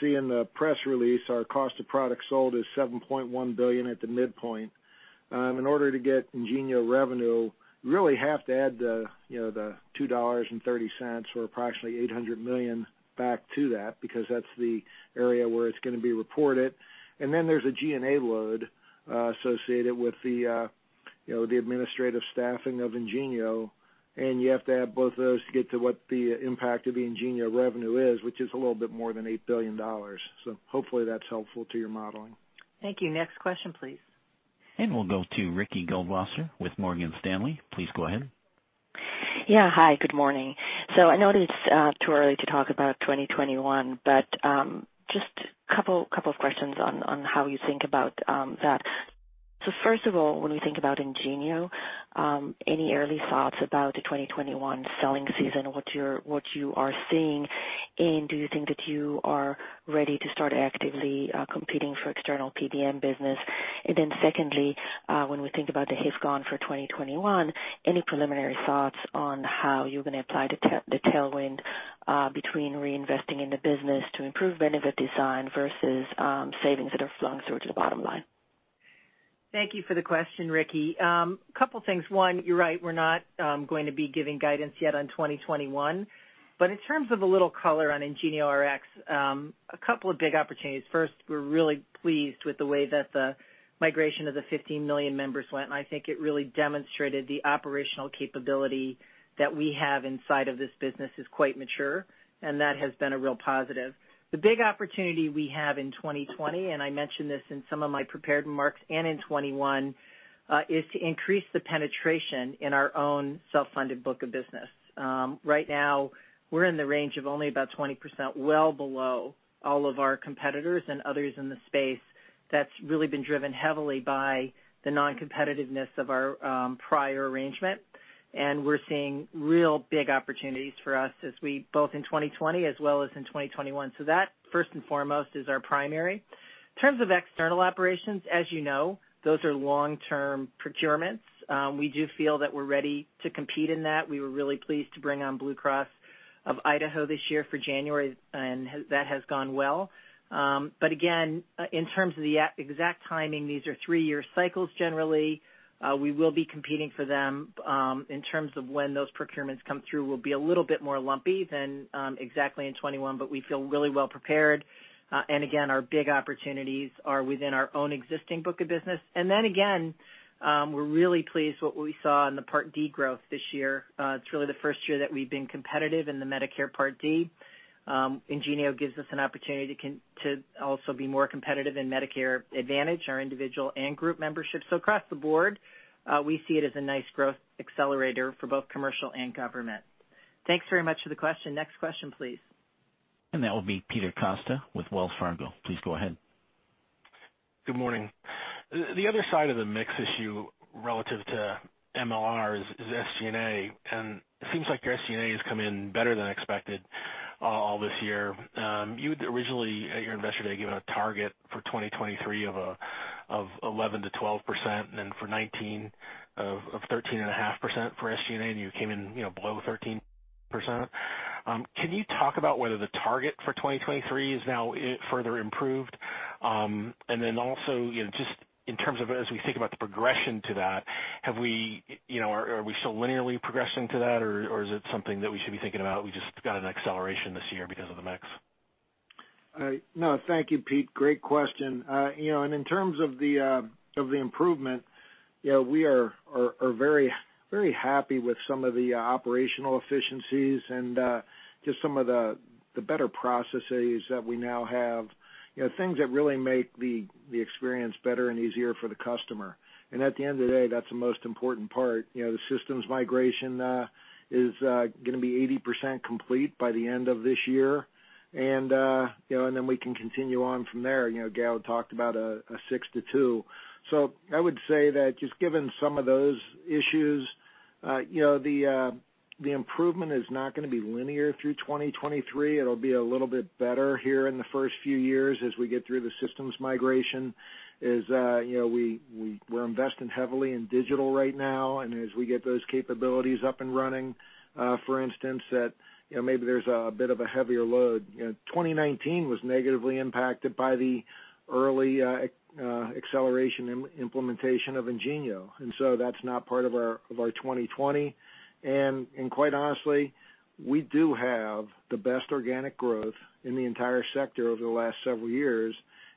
see in the press release, our cost of product sold is $7.1 billion at the midpoint. In order to get IngenioRx revenue, we really have to add the $2.30 or approximately $800 million back to that, because that's the area where it's going to be reported. Then there's a G&A load associated with the administrative staffing of IngenioRx, and you have to add both of those to get to what the impact of the IngenioRx revenue is, which is a little bit more than $8 billion. Hopefully that's helpful to your modeling. Thank you. Next question, please. We'll go to Ricky Goldwasser with Morgan Stanley. Please go ahead. Yeah. Hi, good morning. I know it's too early to talk about 2021, but just couple of questions on how you think about that. First of all, when we think about IngenioRx, any early thoughts about the 2021 selling season, what you are seeing, and do you think that you are ready to start actively competing for external PBM business? Secondly, when we think about the head count for 2021, any preliminary thoughts on how you're going to apply the tailwind between reinvesting in the business to improve benefit design versus savings that are flowing through to the bottom line? Thank you for the question, Ricky. Couple things. One, you're right, we're not going to be giving guidance yet on 2021. In terms of a little color on IngenioRx, a couple of big opportunities. First, we're really pleased with the way that the migration of the 15 million members went, and I think it really demonstrated the operational capability that we have inside of this business is quite mature, and that has been a real positive. The big opportunity we have in 2020, and I mentioned this in some of my prepared remarks, and in 2021, is to increase the penetration in our own self-funded book of business. Right now we're in the range of only about 20%, well below all of our competitors and others in the space. That's really been driven heavily by the non-competitiveness of our prior arrangement, and we're seeing real big opportunities for us both in 2020 as well as in 2021. That first and foremost is our primary. In terms of external operations, as you know, those are long-term procurements. We do feel that we're ready to compete in that. We were really pleased to bring on Blue Cross of Idaho this year for January, and that has gone well. Again, in terms of the exact timing, these are three-year cycles. Generally, we will be competing for them. In terms of when those procurements come through, we'll be a little bit more lumpy than exactly in 2021, but we feel really well prepared. Again, our big opportunities are within our own existing book of business. Again, we're really pleased what we saw in the Part D growth this year. It's really the first year that we've been competitive in the Medicare Part D. Ingenio gives us an opportunity to also be more competitive in Medicare Advantage, our individual and group membership. Across the board, we see it as a nice growth accelerator for both commercial and government. Thanks very much for the question. Next question please. That will be Peter Costa with Wells Fargo. Please go ahead. Good morning. The other side of the mix issue relative to MLR is SG&A. It seems like your SG&A has come in better than expected all this year. You had originally at your Investor Day given a target for 2023 of 11%-12%. For 2019 of 13.5% for SG&A, you came in below 13%. Can you talk about whether the target for 2023 is now further improved? Also, just in terms of as we think about the progression to that, are we still linearly progressing to that, or is it something that we should be thinking about we just got an acceleration this year because of the mix? Thank you, Pete. Great question. In terms of the improvement, we are very happy with some of the operational efficiencies and just some of the better processes that we now have, things that really make the experience better and easier for the customer. At the end of the day, that's the most important part. The systems migration is going to be 80% complete by the end of this year. We can continue on from there. Gail talked about a six to two. I would say that just given some of those issues, the improvement is not going to be linear through 2023. It'll be a little bit better here in the first few years as we get through the systems migration, as we're investing heavily in digital right now, and as we get those capabilities up and running. For instance, maybe there's a bit of a heavier load. 2019 was negatively impacted by the early acceleration implementation of IngenioRx, and so that's now part of our 2020. Quite honestly, we do have the best organic growth in the entire sector over the last several years,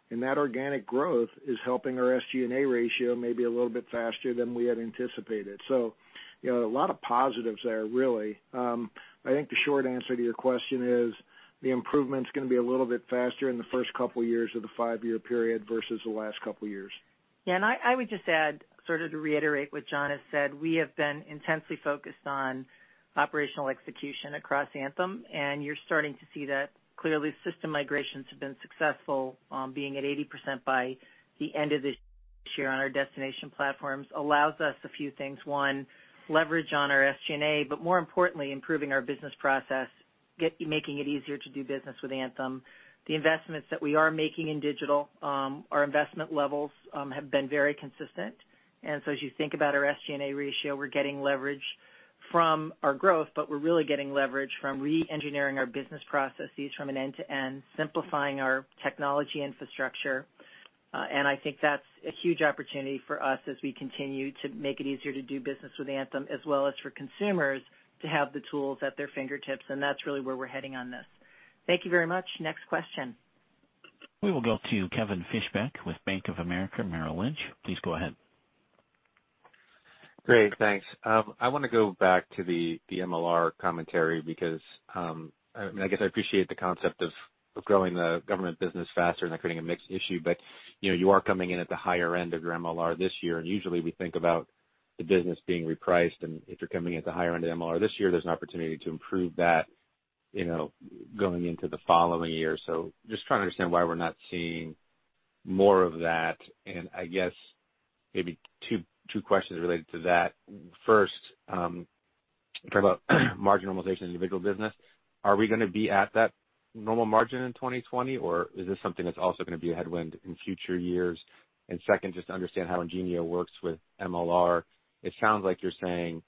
and that organic growth is helping our SG&A ratio maybe a little bit faster than we had anticipated. A lot of positives there really. I think the short answer to your question is the improvement's going to be a little bit faster in the first couple years of the five-year period versus the last couple years. Yeah, I would just add, sort of to reiterate what John has said, we have been intensely focused on operational execution across Anthem, and you're starting to see that clearly system migrations have been successful. Being at 80% by the end of this year on our destination platforms allows us a few things. One, leverage on our SG&A, but more importantly, improving our business process, making it easier to do business with Anthem. The investments that we are making in digital, our investment levels have been very consistent, as you think about our SG&A ratio, we're getting leverage from our growth, but we're really getting leverage from re-engineering our business processes from an end-to-end, simplifying our technology infrastructure. I think that's a huge opportunity for us as we continue to make it easier to do business with Anthem, as well as for consumers to have the tools at their fingertips, and that's really where we're heading on this. Thank you very much. Next question. We will go to Kevin Fischbeck with Bank of America Merrill Lynch. Please go ahead. Great. Thanks. I want to go back to the MLR commentary because, I guess I appreciate the concept of growing the government business faster and not creating a mixed issue. You are coming in at the higher end of your MLR this year. Usually we think about the business being repriced. If you're coming at the higher end of MLR this year, there's an opportunity to improve that going into the following year. Just trying to understand why we're not seeing more of that, and I guess maybe two questions related to that. First, you talk about margin normalization individual business. Are we going to be at that normal margin in 2020, or is this something that's also going to be a headwind in future years? Second, just to understand how IngenioRx works with MLR. It sounds like you're saying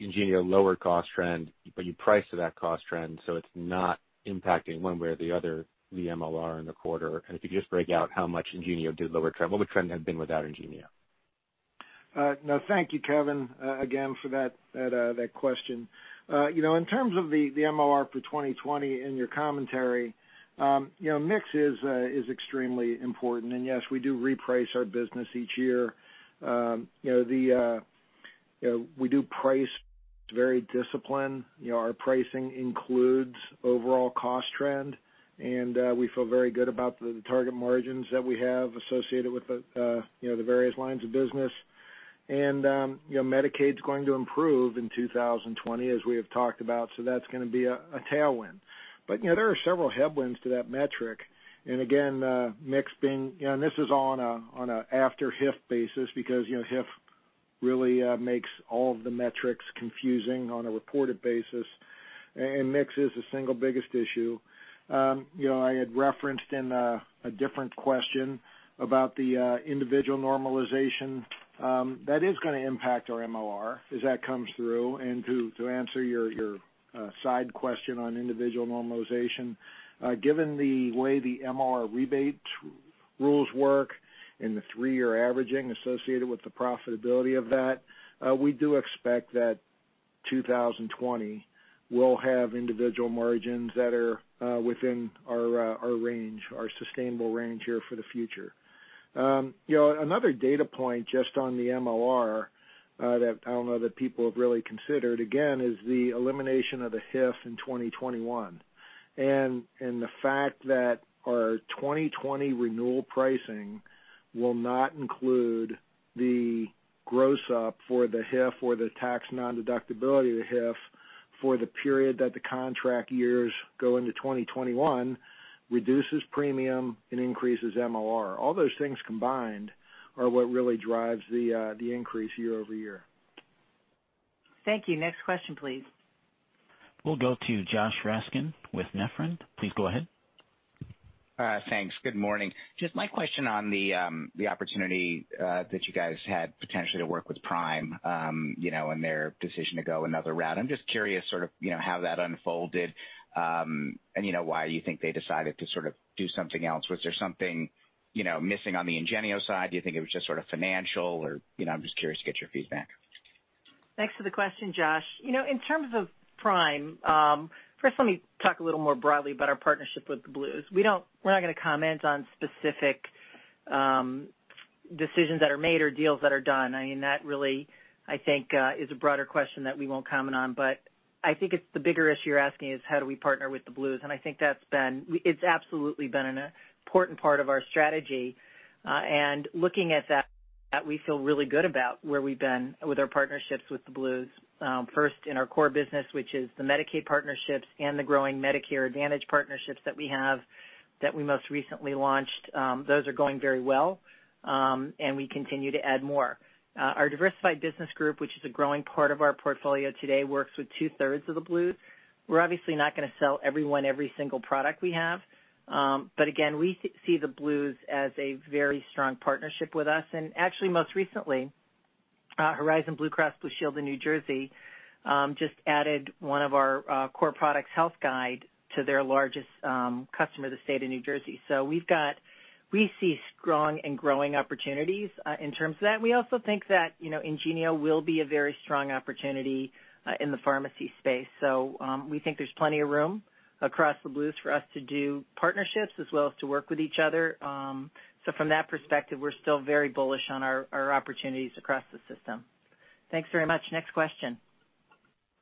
IngenioRx lowered cost trend, you price to that cost trend, it's not impacting one way or the other, the MLR in the quarter. If you could just break out how much IngenioRx did lower trend, what the trend had been without IngenioRx. Thank you, Kevin, again for that question. In terms of the MLR for 2020 in your commentary, mix is extremely important. Yes, we do reprice our business each year. We do price very disciplined. Our pricing includes overall cost trend, and we feel very good about the target margins that we have associated with the various lines of business. Medicaid's going to improve in 2020, as we have talked about, so that's going to be a tailwind. There are several headwinds to that metric, and again, mix being. This is all on an after HIF basis because HIF really makes all of the metrics confusing on a reported basis, and mix is the single biggest issue. I had referenced in a different question about the individual normalization. That is going to impact our MLR as that comes through. To answer your side question on individual normalization, given the way the MLR rebate rules work and the three-year averaging associated with the profitability of that, we do expect that 2020 will have individual margins that are within our range, our sustainable range here for the future. Another data point just on the MLR, that I don't know that people have really considered, again, is the elimination of the HIF in 2021. The fact that our 2020 renewal pricing will not include the gross-up for the HIF or the tax nondeductibility of the HIF for the period that the contract years go into 2021 reduces premium and increases MLR. All those things combined are what really drives the increase year-over-year. Thank you. Next question, please. We'll go to Josh Raskin with Nephron. Please go ahead. Thanks. Good morning. Just my question on the opportunity that you guys had potentially to work with Prime, and their decision to go another route. I'm just curious how that unfolded, and why you think they decided to do something else. Was there something missing on the Ingenio side? Do you think it was just financial or I'm just curious to get your feedback. Thanks for the question, Josh. In terms of Prime, first let me talk a little more broadly about our partnership with the Blues. We're not going to comment on specific decisions that are made or deals that are done. That really, I think, is a broader question that we won't comment on. I think the bigger issue you're asking is how do we partner with the Blues, and I think it's absolutely been an important part of our strategy. Looking at that, we feel really good about where we've been with our partnerships with the Blues. First in our core business, which is the Medicaid partnerships and the growing Medicare Advantage partnerships that we have that we most recently launched. Those are going very well, and we continue to add more. Our Diversified Business Group, which is a growing part of our portfolio today, works with two-thirds of the Blues. We're obviously not going to sell everyone every single product we have. Again, we see the Blues as a very strong partnership with us. Actually, most recently, Horizon Blue Cross Blue Shield of New Jersey just added one of our core products, Health Guide, to their largest customer, the state of New Jersey. We see strong and growing opportunities in terms of that. We also think that Ingenio will be a very strong opportunity in the pharmacy space. We think there's plenty of room across the Blues for us to do partnerships as well as to work with each other. From that perspective, we're still very bullish on our opportunities across the system. Thanks very much. Next question.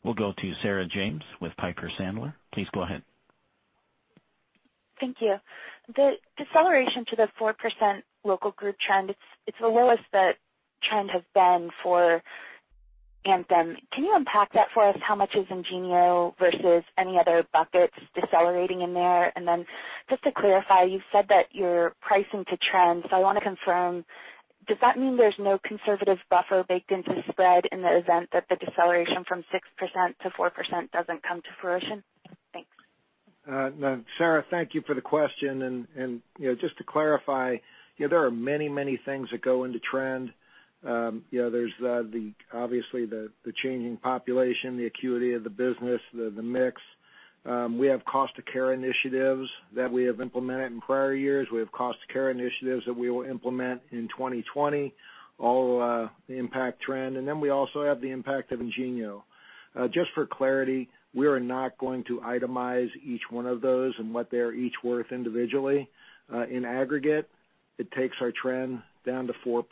We'll go to Sarah James with Piper Sandler. Please go ahead. Thank you. The deceleration to the 4% local group trend, it's the lowest that trend has been for Anthem. Can you unpack that for us? How much is IngenioRx versus any other buckets decelerating in there? Just to clarify, you've said that you're pricing to trend, so I want to confirm, does that mean there's no conservative buffer baked into spread in the event that the deceleration from 6% to 4% doesn't come to fruition? Thanks. Sarah, thank you for the question. Just to clarify, there are many, many things that go into trend. There's obviously the changing population, the acuity of the business, the mix. We have cost of care initiatives that we have implemented in prior years. We have cost of care initiatives that we will implement in 2020, all impact trend. We also have the impact of IngenioRx. Just for clarity, we are not going to itemize each one of those and what they're each worth individually. In aggregate, it takes our trend down to 4%.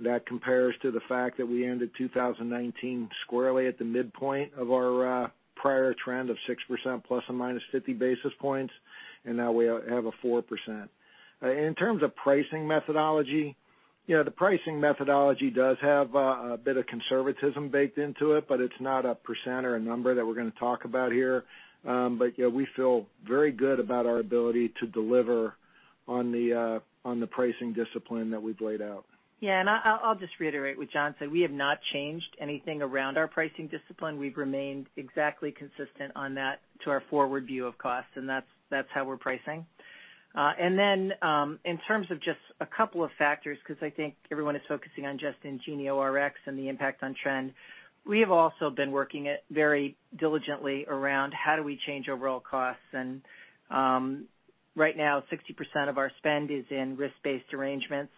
That compares to the fact that we ended 2019 squarely at the midpoint of our prior trend of 6% ±50 basis points. Now we have a 4%. In terms of pricing methodology, the pricing methodology does have a bit of conservatism baked into it, but it's not a percent or a number that we're going to talk about here. We feel very good about our ability to deliver on the pricing discipline that we've laid out. Yeah, I'll just reiterate what John said. We have not changed anything around our pricing discipline. We've remained exactly consistent on that to our forward view of cost, and that's how we're pricing. Then, in terms of just a couple of factors, because I think everyone is focusing on just IngenioRx and the impact on trend, we have also been working very diligently around how do we change overall costs, and right now, 60% of our spend is in risk-based arrangements.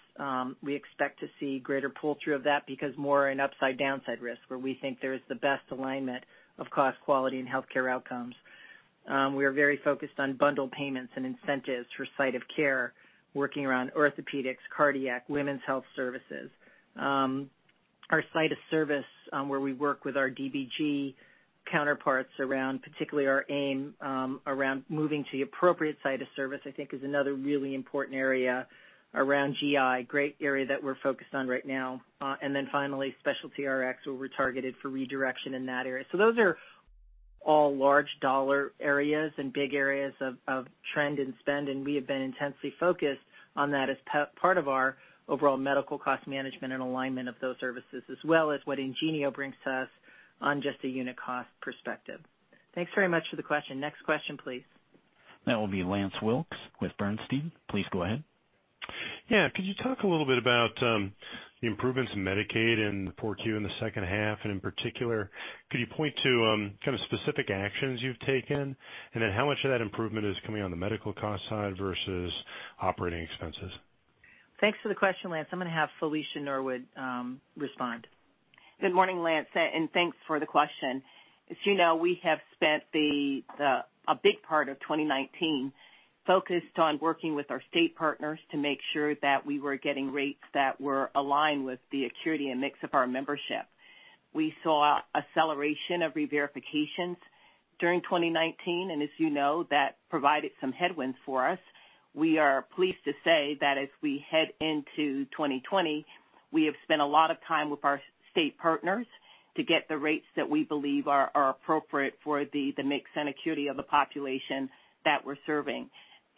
We expect to see greater pull-through of that because more in upside-downside risk, where we think there is the best alignment of cost, quality, and healthcare outcomes. We are very focused on bundled payments and incentives for site of care, working around orthopedics, cardiac, women's health services. Our site of service, where we work with our DBG counterparts around particularly our aim around moving to the appropriate site of service, I think is another really important area around GI, great area that we're focused on right now. Finally, specialty RX where we're targeted for redirection in that area. Those are all large dollar areas and big areas of trend and spend, and we have been intensely focused on that as part of our overall medical cost management and alignment of those services, as well as what IngenioRx brings to us on just a unit cost perspective. Thanks very much for the question. Next question, please. That will be Lance Wilkes with Bernstein. Please go ahead. Yeah, could you talk a little bit about the improvements in Medicaid and the 4Q in the second half? In particular, could you point to kind of specific actions you've taken? Then how much of that improvement is coming on the medical cost side versus operating expenses? Thanks for the question, Lance. I'm going to have Felicia Norwood respond. Good morning, Lance, and thanks for the question. As you know, we have spent a big part of 2019 focused on working with our state partners to make sure that we were getting rates that were aligned with the acuity and mix of our membership. We saw acceleration of reverifications during 2019, and as you know, that provided some headwinds for us. We are pleased to say that as we head into 2020, we have spent a lot of time with our state partners to get the rates that we believe are appropriate for the mix and acuity of the population that we're serving.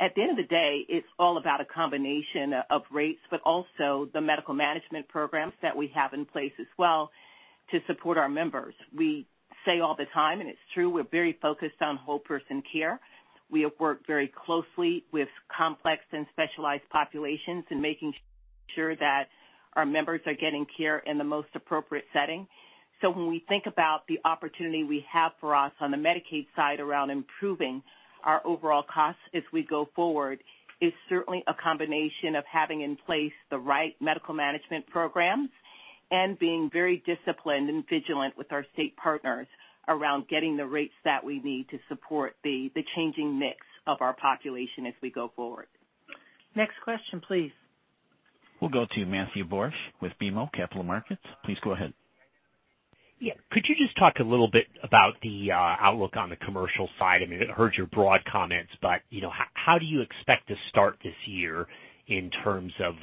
At the end of the day, it's all about a combination of rates, but also the medical management programs that we have in place as well to support our members. We say all the time, and it's true, we're very focused on whole person care. We have worked very closely with complex and specialized populations in making sure that our members are getting care in the most appropriate setting. When we think about the opportunity we have for us on the Medicaid side around improving our overall costs as we go forward, is certainly a combination of having in place the right medical management programs and being very disciplined and vigilant with our state partners around getting the rates that we need to support the changing mix of our population as we go forward. Next question, please. We'll go to Matthew Borsch with BMO Capital Markets. Please go ahead. Yeah, could you just talk a little bit about the outlook on the commercial side? I mean, I heard your broad comments, but how do you expect to start this year in terms of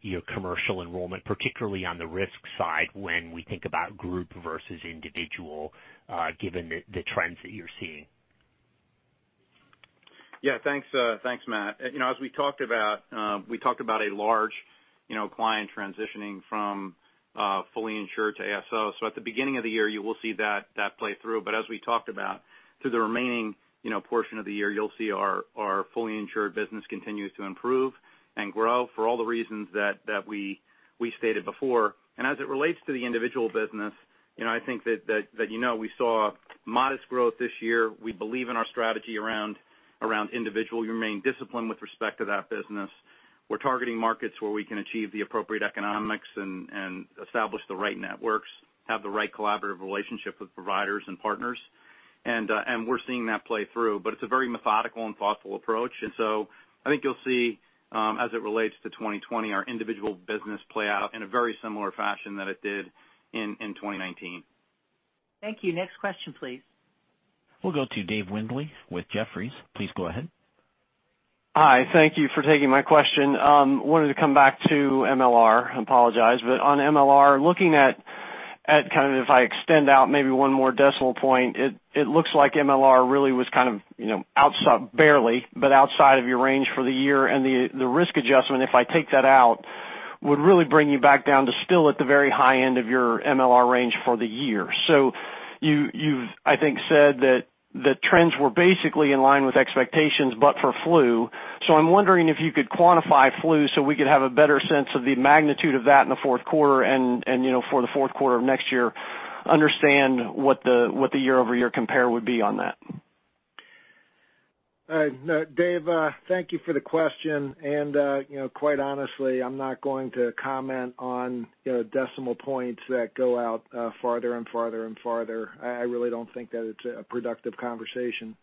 your commercial enrollment, particularly on the risk side when we think about group versus individual, given the trends that you're seeing? Thanks, Matt. As we talked about a large client transitioning from fully insured to ASO. As we talked about, through the remaining portion of the year, you'll see our fully insured business continues to improve and grow for all the reasons that we stated before. As it relates to the individual business, I think that you know we saw modest growth this year. We believe in our strategy around individual. We remain disciplined with respect to that business. We're targeting markets where we can achieve the appropriate economics and establish the right networks, have the right collaborative relationship with providers and partners. We're seeing that play through, but it's a very methodical and thoughtful approach. I think you'll see, as it relates to 2020, our individual business play out in a very similar fashion that it did in 2019. Thank you. Next question, please. We'll go to Dave Windley with Jefferies. Please go ahead. Hi. Thank you for taking my question. Wanted to come back to MLR. Apologize. On MLR, looking at kind of if I extend out maybe one more decimal point, it looks like MLR really was kind of barely, but outside of your range for the year. The risk adjustment, if I take that out Would really bring you back down to still at the very high end of your MLR range for the year. You've, I think, said that the trends were basically in line with expectations, but for flu. I'm wondering if you could quantify flu so we could have a better sense of the magnitude of that in the fourth quarter and for the fourth quarter of next year, understand what the year-over-year compare would be on that. Dave, thank you for the question. Quite honestly, I'm not going to comment on decimal points that go out farther and farther. I really don't think that it's a productive conversation.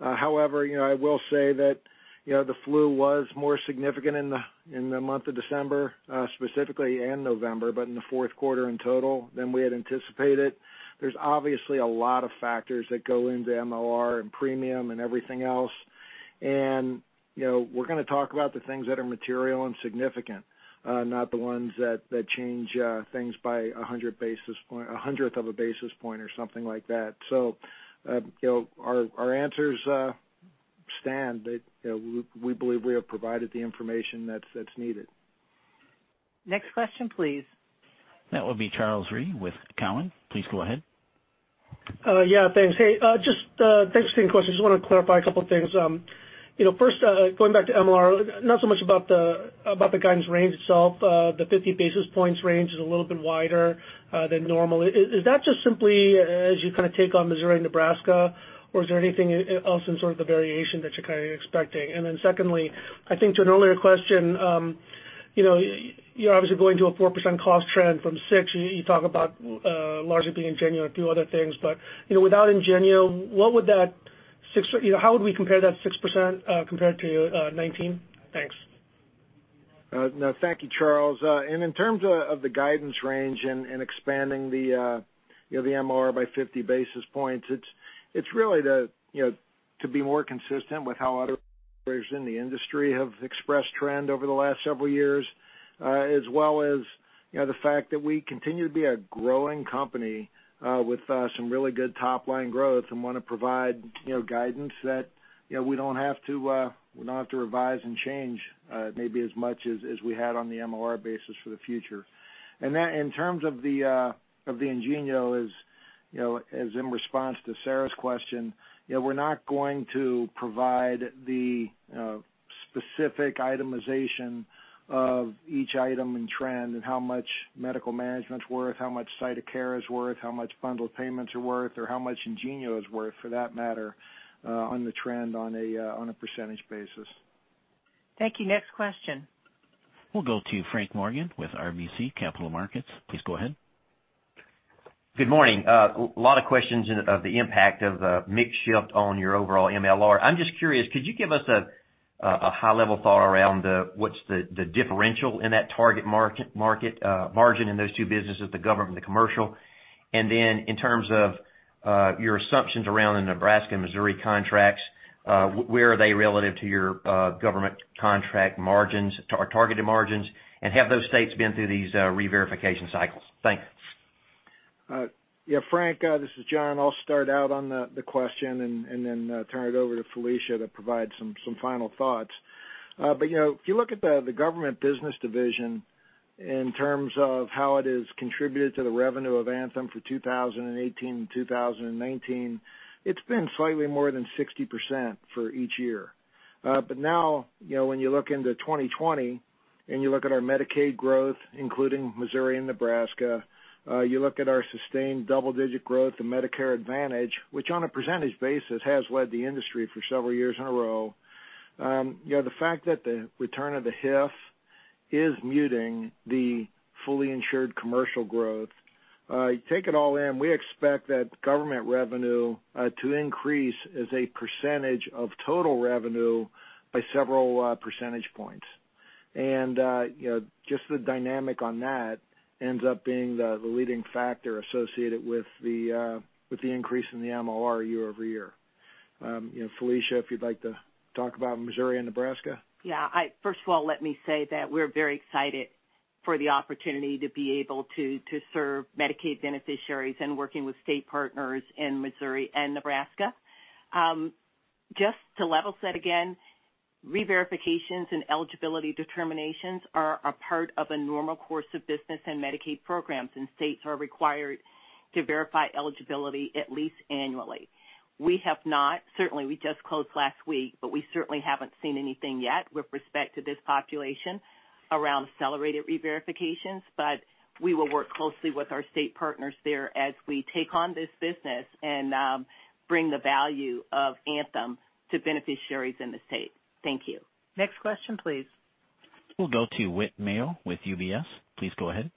I will say that the flu was more significant in the month of December specifically, and November, but in the fourth quarter in total than we had anticipated. There's obviously a lot of factors that go into MLR and premium and everything else. We're going to talk about the things that are material and significant, not the ones that change things by a hundredth of a basis point or something like that. Our answers stand. We believe we have provided the information that's needed. Next question, please. That will be Charles Rhyee with Cowen. Please go ahead. Yeah, thanks. Hey, just thanks for taking the question. Just want to clarify a couple of things. First, going back to MLR, not so much about the guidance range itself. The 50 basis points range is a little bit wider than normal. Is that just simply as you take on Missouri and Nebraska, or is there anything else in sort of the variation that you're currently expecting? Secondly, I think to an earlier question, you're obviously going to a 4% cost trend from 6%. You talk about largely being IngenioRx and a few other things. Without IngenioRx, how would we compare that 6% compared to 2019? Thanks. Thank you, Charles. In terms of the guidance range and expanding the MLR by 50 basis points, it's really to be more consistent with how other players in the industry have expressed trend over the last several years, as well as the fact that we continue to be a growing company with some really good top-line growth and want to provide guidance that we don't have to revise and change maybe as much as we had on the MLR basis for the future. In terms of the IngenioRx, as in response to Sarah's question, we're not going to provide the specific itemization of each item and trend and how much medical management's worth, how much site of care is worth, how much bundled payments are worth, or how much IngenioRx is worth for that matter, on the trend on a percentage basis. Thank you. Next question. We'll go to Frank Morgan with RBC Capital Markets. Please go ahead. Good morning. A lot of questions of the impact of mix shift on your overall MLR. I'm just curious, could you give us a high-level thought around what's the differential in that target market margin in those two businesses, the government and commercial? Then in terms of your assumptions around the Nebraska and Missouri contracts, where are they relative to your government contract margins, targeted margins, and have those states been through these reverification cycles? Thanks. Yeah, Frank, this is John. I'll start out on the question and then turn it over to Felicia to provide some final thoughts. If you look at the Government Business Division in terms of how it has contributed to the revenue of Anthem for 2018 and 2019, it's been slightly more than 60% for each year. Now, when you look into 2020 and you look at our Medicaid growth, including Missouri and Nebraska, you look at our sustained double-digit growth in Medicare Advantage, which on a percentage basis has led the industry for several years in a row. The fact that the return of the HIF is muting the fully insured commercial growth. Take it all in, we expect that government revenue to increase as a percentage of total revenue by several percentage points. Just the dynamic on that ends up being the leading factor associated with the increase in the MLR year-over-year. Felicia, if you'd like to talk about Missouri and Nebraska. Yeah. First of all, let me say that we're very excited for the opportunity to be able to serve Medicaid beneficiaries and working with state partners in Missouri and Nebraska. Just to level set again, reverifications and eligibility determinations are a part of a normal course of business in Medicaid programs, and states are required to verify eligibility at least annually. Certainly we just closed last week, but we certainly haven't seen anything yet with respect to this population around accelerated reverifications. We will work closely with our state partners there as we take on this business and bring the value of Anthem to beneficiaries in the state. Thank you. Next question, please. We'll go to Whit Mayo with UBS. Please go ahead.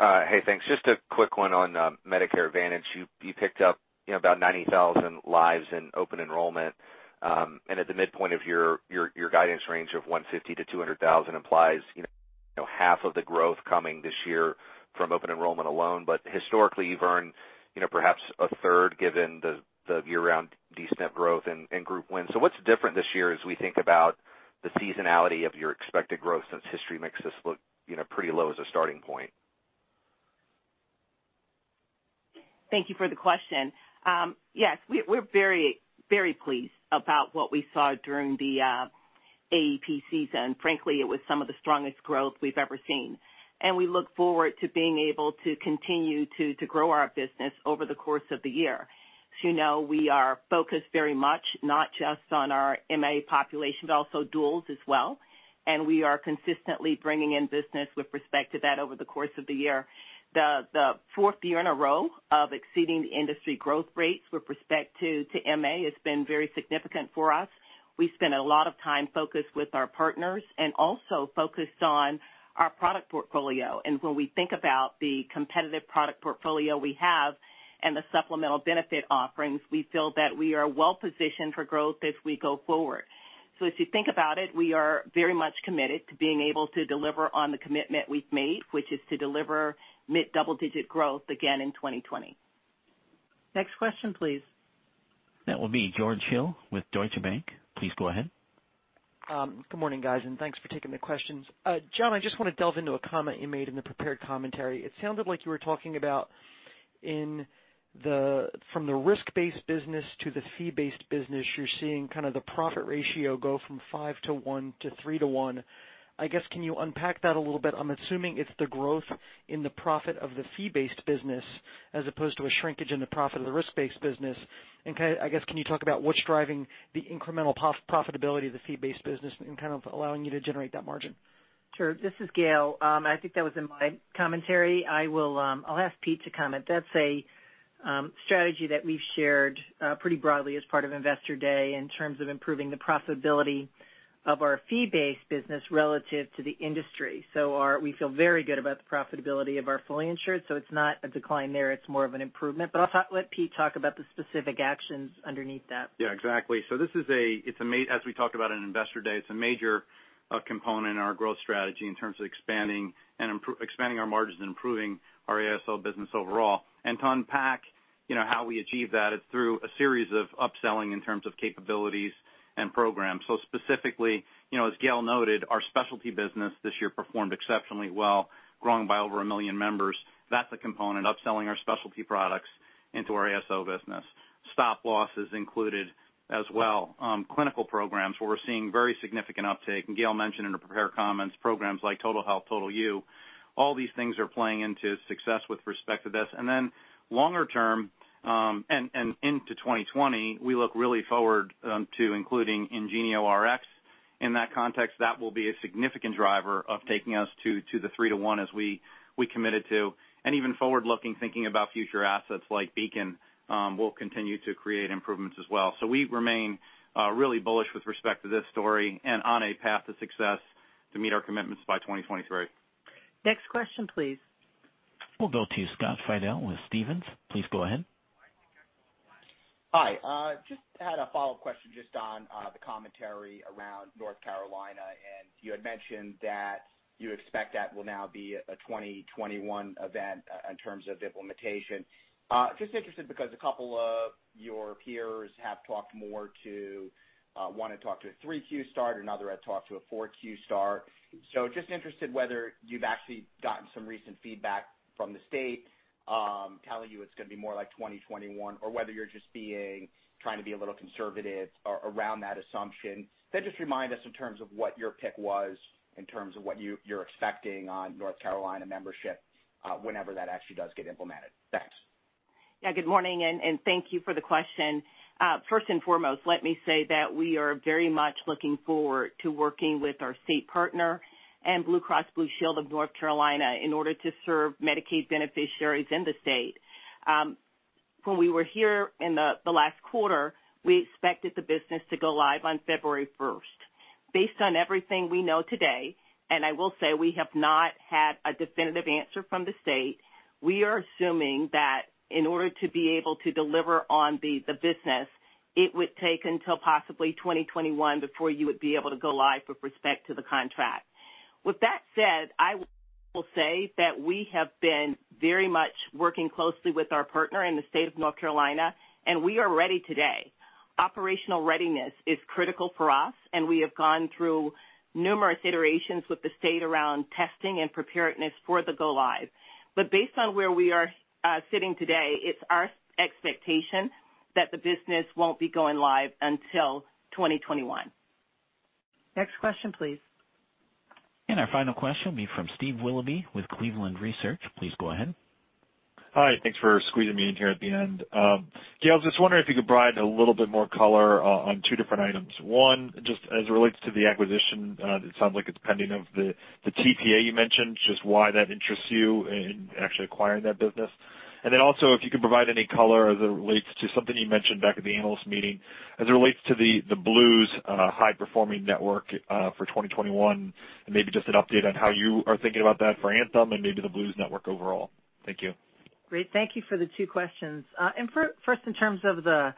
Hey, thanks. Just a quick one on Medicare Advantage. You picked up about 90,000 lives in open enrollment. At the midpoint of your guidance range of 150,000-200,000 implies half of the growth coming this year from open enrollment alone. Historically, you've earned perhaps a third, given the year-round D-SNP growth and group wins. What's different this year as we think about the seasonality of your expected growth since history makes this look pretty low as a starting point? Thank you for the question. Yes, we're very pleased about what we saw during the AEP season. Frankly, it was some of the strongest growth we've ever seen, and we look forward to being able to continue to grow our business over the course of the year. As you know, we are focused very much not just on our MA population, but also duals as well, and we are consistently bringing in business with respect to that over the course of the year. The fourth year in a row of exceeding the industry growth rates with respect to MA has been very significant for us. We spent a lot of time focused with our partners and also focused on our product portfolio. When we think about the competitive product portfolio we have and the supplemental benefit offerings, we feel that we are well-positioned for growth as we go forward. If you think about it, we are very much committed to being able to deliver on the commitment we've made, which is to deliver mid double-digit growth again in 2020. Next question, please. That will be George Hill with Deutsche Bank. Please go ahead. Good morning, guys, and thanks for taking the questions. John, I just want to delve into a comment you made in the prepared commentary. It sounded like you were talking about from the risk-based business to the fee-based business, you're seeing kind of the profit ratio go from 5-to-1 to 3-to-1. I guess, can you unpack that a little bit? I'm assuming it's the growth in the profit of the fee-based business as opposed to a shrinkage in the profit of the risk-based business. I guess, can you talk about what's driving the incremental profitability of the fee-based business in kind of allowing you to generate that margin? Sure. This is Gail. I think that was in my commentary. I'll ask Pete to comment. That's a strategy that we've shared pretty broadly as part of Investor Day in terms of improving the profitability of our fee-based business relative to the industry. We feel very good about the profitability of our fully insured, so it's not a decline there. It's more of an improvement. I'll let Pete talk about the specific actions underneath that. Yeah, exactly. As we talked about on Investor Day, it's a major component in our growth strategy in terms of expanding our margins and improving our ASO business overall. To unpack how we achieve that, it's through a series of upselling in terms of capabilities and programs. Specifically, as Gail noted, our specialty business this year performed exceptionally well, growing by over 1 million members. That's a component, upselling our specialty products into our ASO business. Stop loss is included as well. Clinical programs, where we're seeing very significant uptake, and Gail mentioned in her prepared comments, programs like Total Health, Total You, all these things are playing into success with respect to this. Then longer term, and into 2020, we look really forward to including IngenioRx. In that context, that will be a significant driver of taking us to the 3:1 as we committed to. Even forward-looking, thinking about future assets like Beacon will continue to create improvements as well. We remain really bullish with respect to this story and on a path to success to meet our commitments by 2023. Next question, please. We'll go to Scott Fidel with Stephens. Please go ahead. Hi. Just had a follow-up question just on the commentary around North Carolina. You had mentioned that you expect that will now be a 2021 event in terms of implementation. Just interested because a couple of your peers have talked more to, one had talked to a 3Q start, another had talked to a 4Q start. Just interested whether you've actually gotten some recent feedback from the state telling you it's going to be more like 2021, or whether you're just trying to be a little conservative around that assumption. Just remind us in terms of what your pick was in terms of what you're expecting on North Carolina membership whenever that actually does get implemented. Thanks. Good morning, and thank you for the question. First and foremost, let me say that we are very much looking forward to working with our state partner and Blue Cross Blue Shield of North Carolina in order to serve Medicaid beneficiaries in the state. When we were here in the last quarter, we expected the business to go live on February first. Based on everything we know today, and I will say, we have not had a definitive answer from the state, we are assuming that in order to be able to deliver on the business, it would take until possibly 2021 before you would be able to go live with respect to the contract. With that said, I will say that we have been very much working closely with our partner in the state of North Carolina, and we are ready today. Operational readiness is critical for us, and we have gone through numerous iterations with the state around testing and preparedness for the go live. Based on where we are sitting today, it's our expectation that the business won't be going live until 2021. Next question, please. Our final question will be from Steve Willoughby with Cleveland Research. Please go ahead. Hi. Thanks for squeezing me in here at the end. Gail, just wondering if you could provide a little bit more color on two different items. One, just as it relates to the acquisition, it sounds like it's pending of the TPA you mentioned, just why that interests you in actually acquiring that business. Also, if you could provide any color as it relates to something you mentioned back at the analyst meeting as it relates to the Blues High Performing Network for 2021, and maybe just an update on how you are thinking about that for Anthem and maybe the Blues network overall. Thank you. Great. Thank you for the two questions. First, in terms of the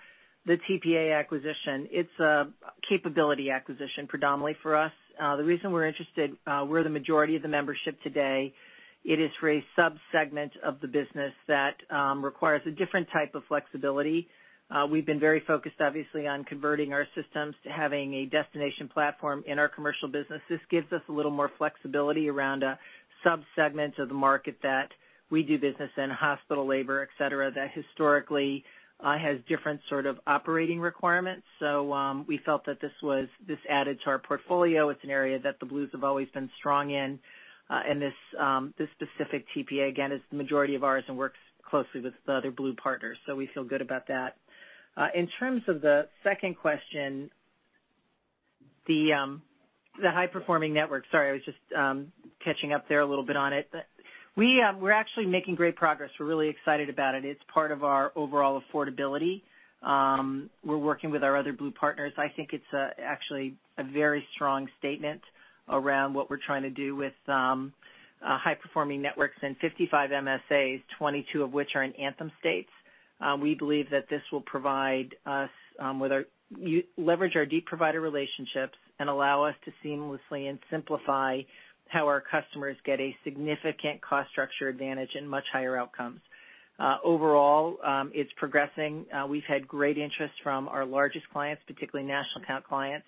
TPA acquisition, it's a capability acquisition predominantly for us. The reason we're interested, we're the majority of the membership today. It is for a sub-segment of the business that requires a different type of flexibility. We've been very focused, obviously, on converting our systems to having a destination platform in our Commercial Business. This gives us a little more flexibility around subsegments of the market that we do business in, hospital labor, et cetera, that historically has different sort of operating requirements. We felt that this added to our portfolio. It's an area that the Blues have always been strong in. This specific TPA, again, is the majority of ours and works closely with the other Blue partners. We feel good about that. In terms of the second question, the high-performing network. Sorry, I was just catching up there a little bit on it. We're actually making great progress. We're really excited about it. It's part of our overall affordability. We're working with our other Blue partners. I think it's actually a very strong statement around what we're trying to do with high-performing networks in 55 MSAs, 22 of which are in Anthem states. We believe that this will leverage our deep provider relationships and allow us to seamlessly and simplify how our customers get a significant cost structure advantage and much higher outcomes. Overall, it's progressing. We've had great interest from our largest clients, particularly national account clients.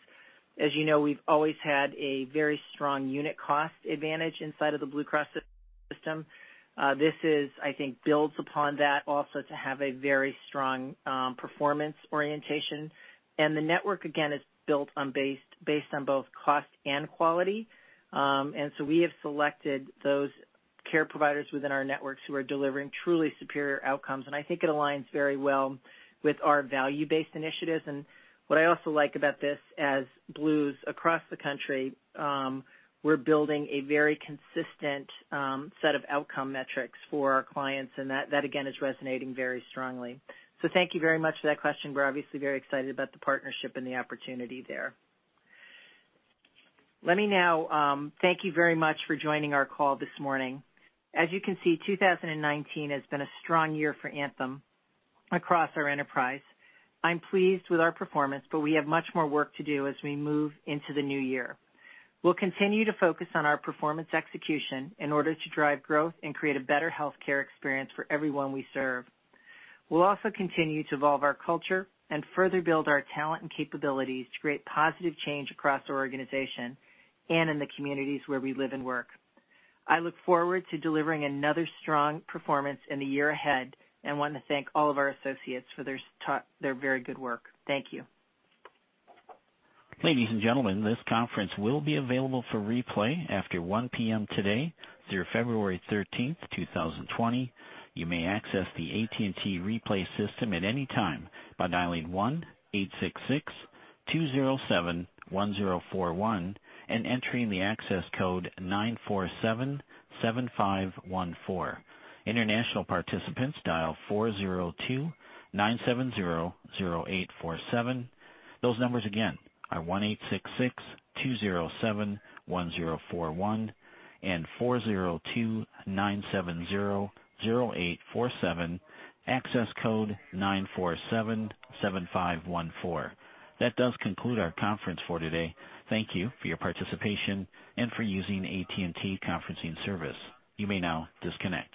As you know, we've always had a very strong unit cost advantage inside of the Blue Cross system. This, I think, builds upon that also to have a very strong performance orientation. The network, again, is built based on both cost and quality. We have selected those care providers within our networks who are delivering truly superior outcomes, and I think it aligns very well with our value-based initiatives. What I also like about this, as Blues across the country, we're building a very consistent set of outcome metrics for our clients, and that, again, is resonating very strongly. Thank you very much for that question. We're obviously very excited about the partnership and the opportunity there. Let me now thank you very much for joining our call this morning. As you can see, 2019 has been a strong year for Anthem across our enterprise. I'm pleased with our performance, but we have much more work to do as we move into the new year. We'll continue to focus on our performance execution in order to drive growth and create a better healthcare experience for everyone we serve. We'll also continue to evolve our culture and further build our talent and capabilities to create positive change across our organization and in the communities where we live and work. I look forward to delivering another strong performance in the year ahead, and want to thank all of our associates for their very good work. Thank you. Ladies and gentlemen, this conference will be available for replay after 1:00 PM today through February 13th, 2020. You may access the AT&T replay system at any time by dialing 1-866-207-1041 and entering the access code 9477514. International participants dial 4029700847. Those numbers again are 1-866-207-1041 and 4029700847. Access code 9477514. That does conclude our conference for today. Thank you for your participation and for using AT&T conferencing service. You may now disconnect.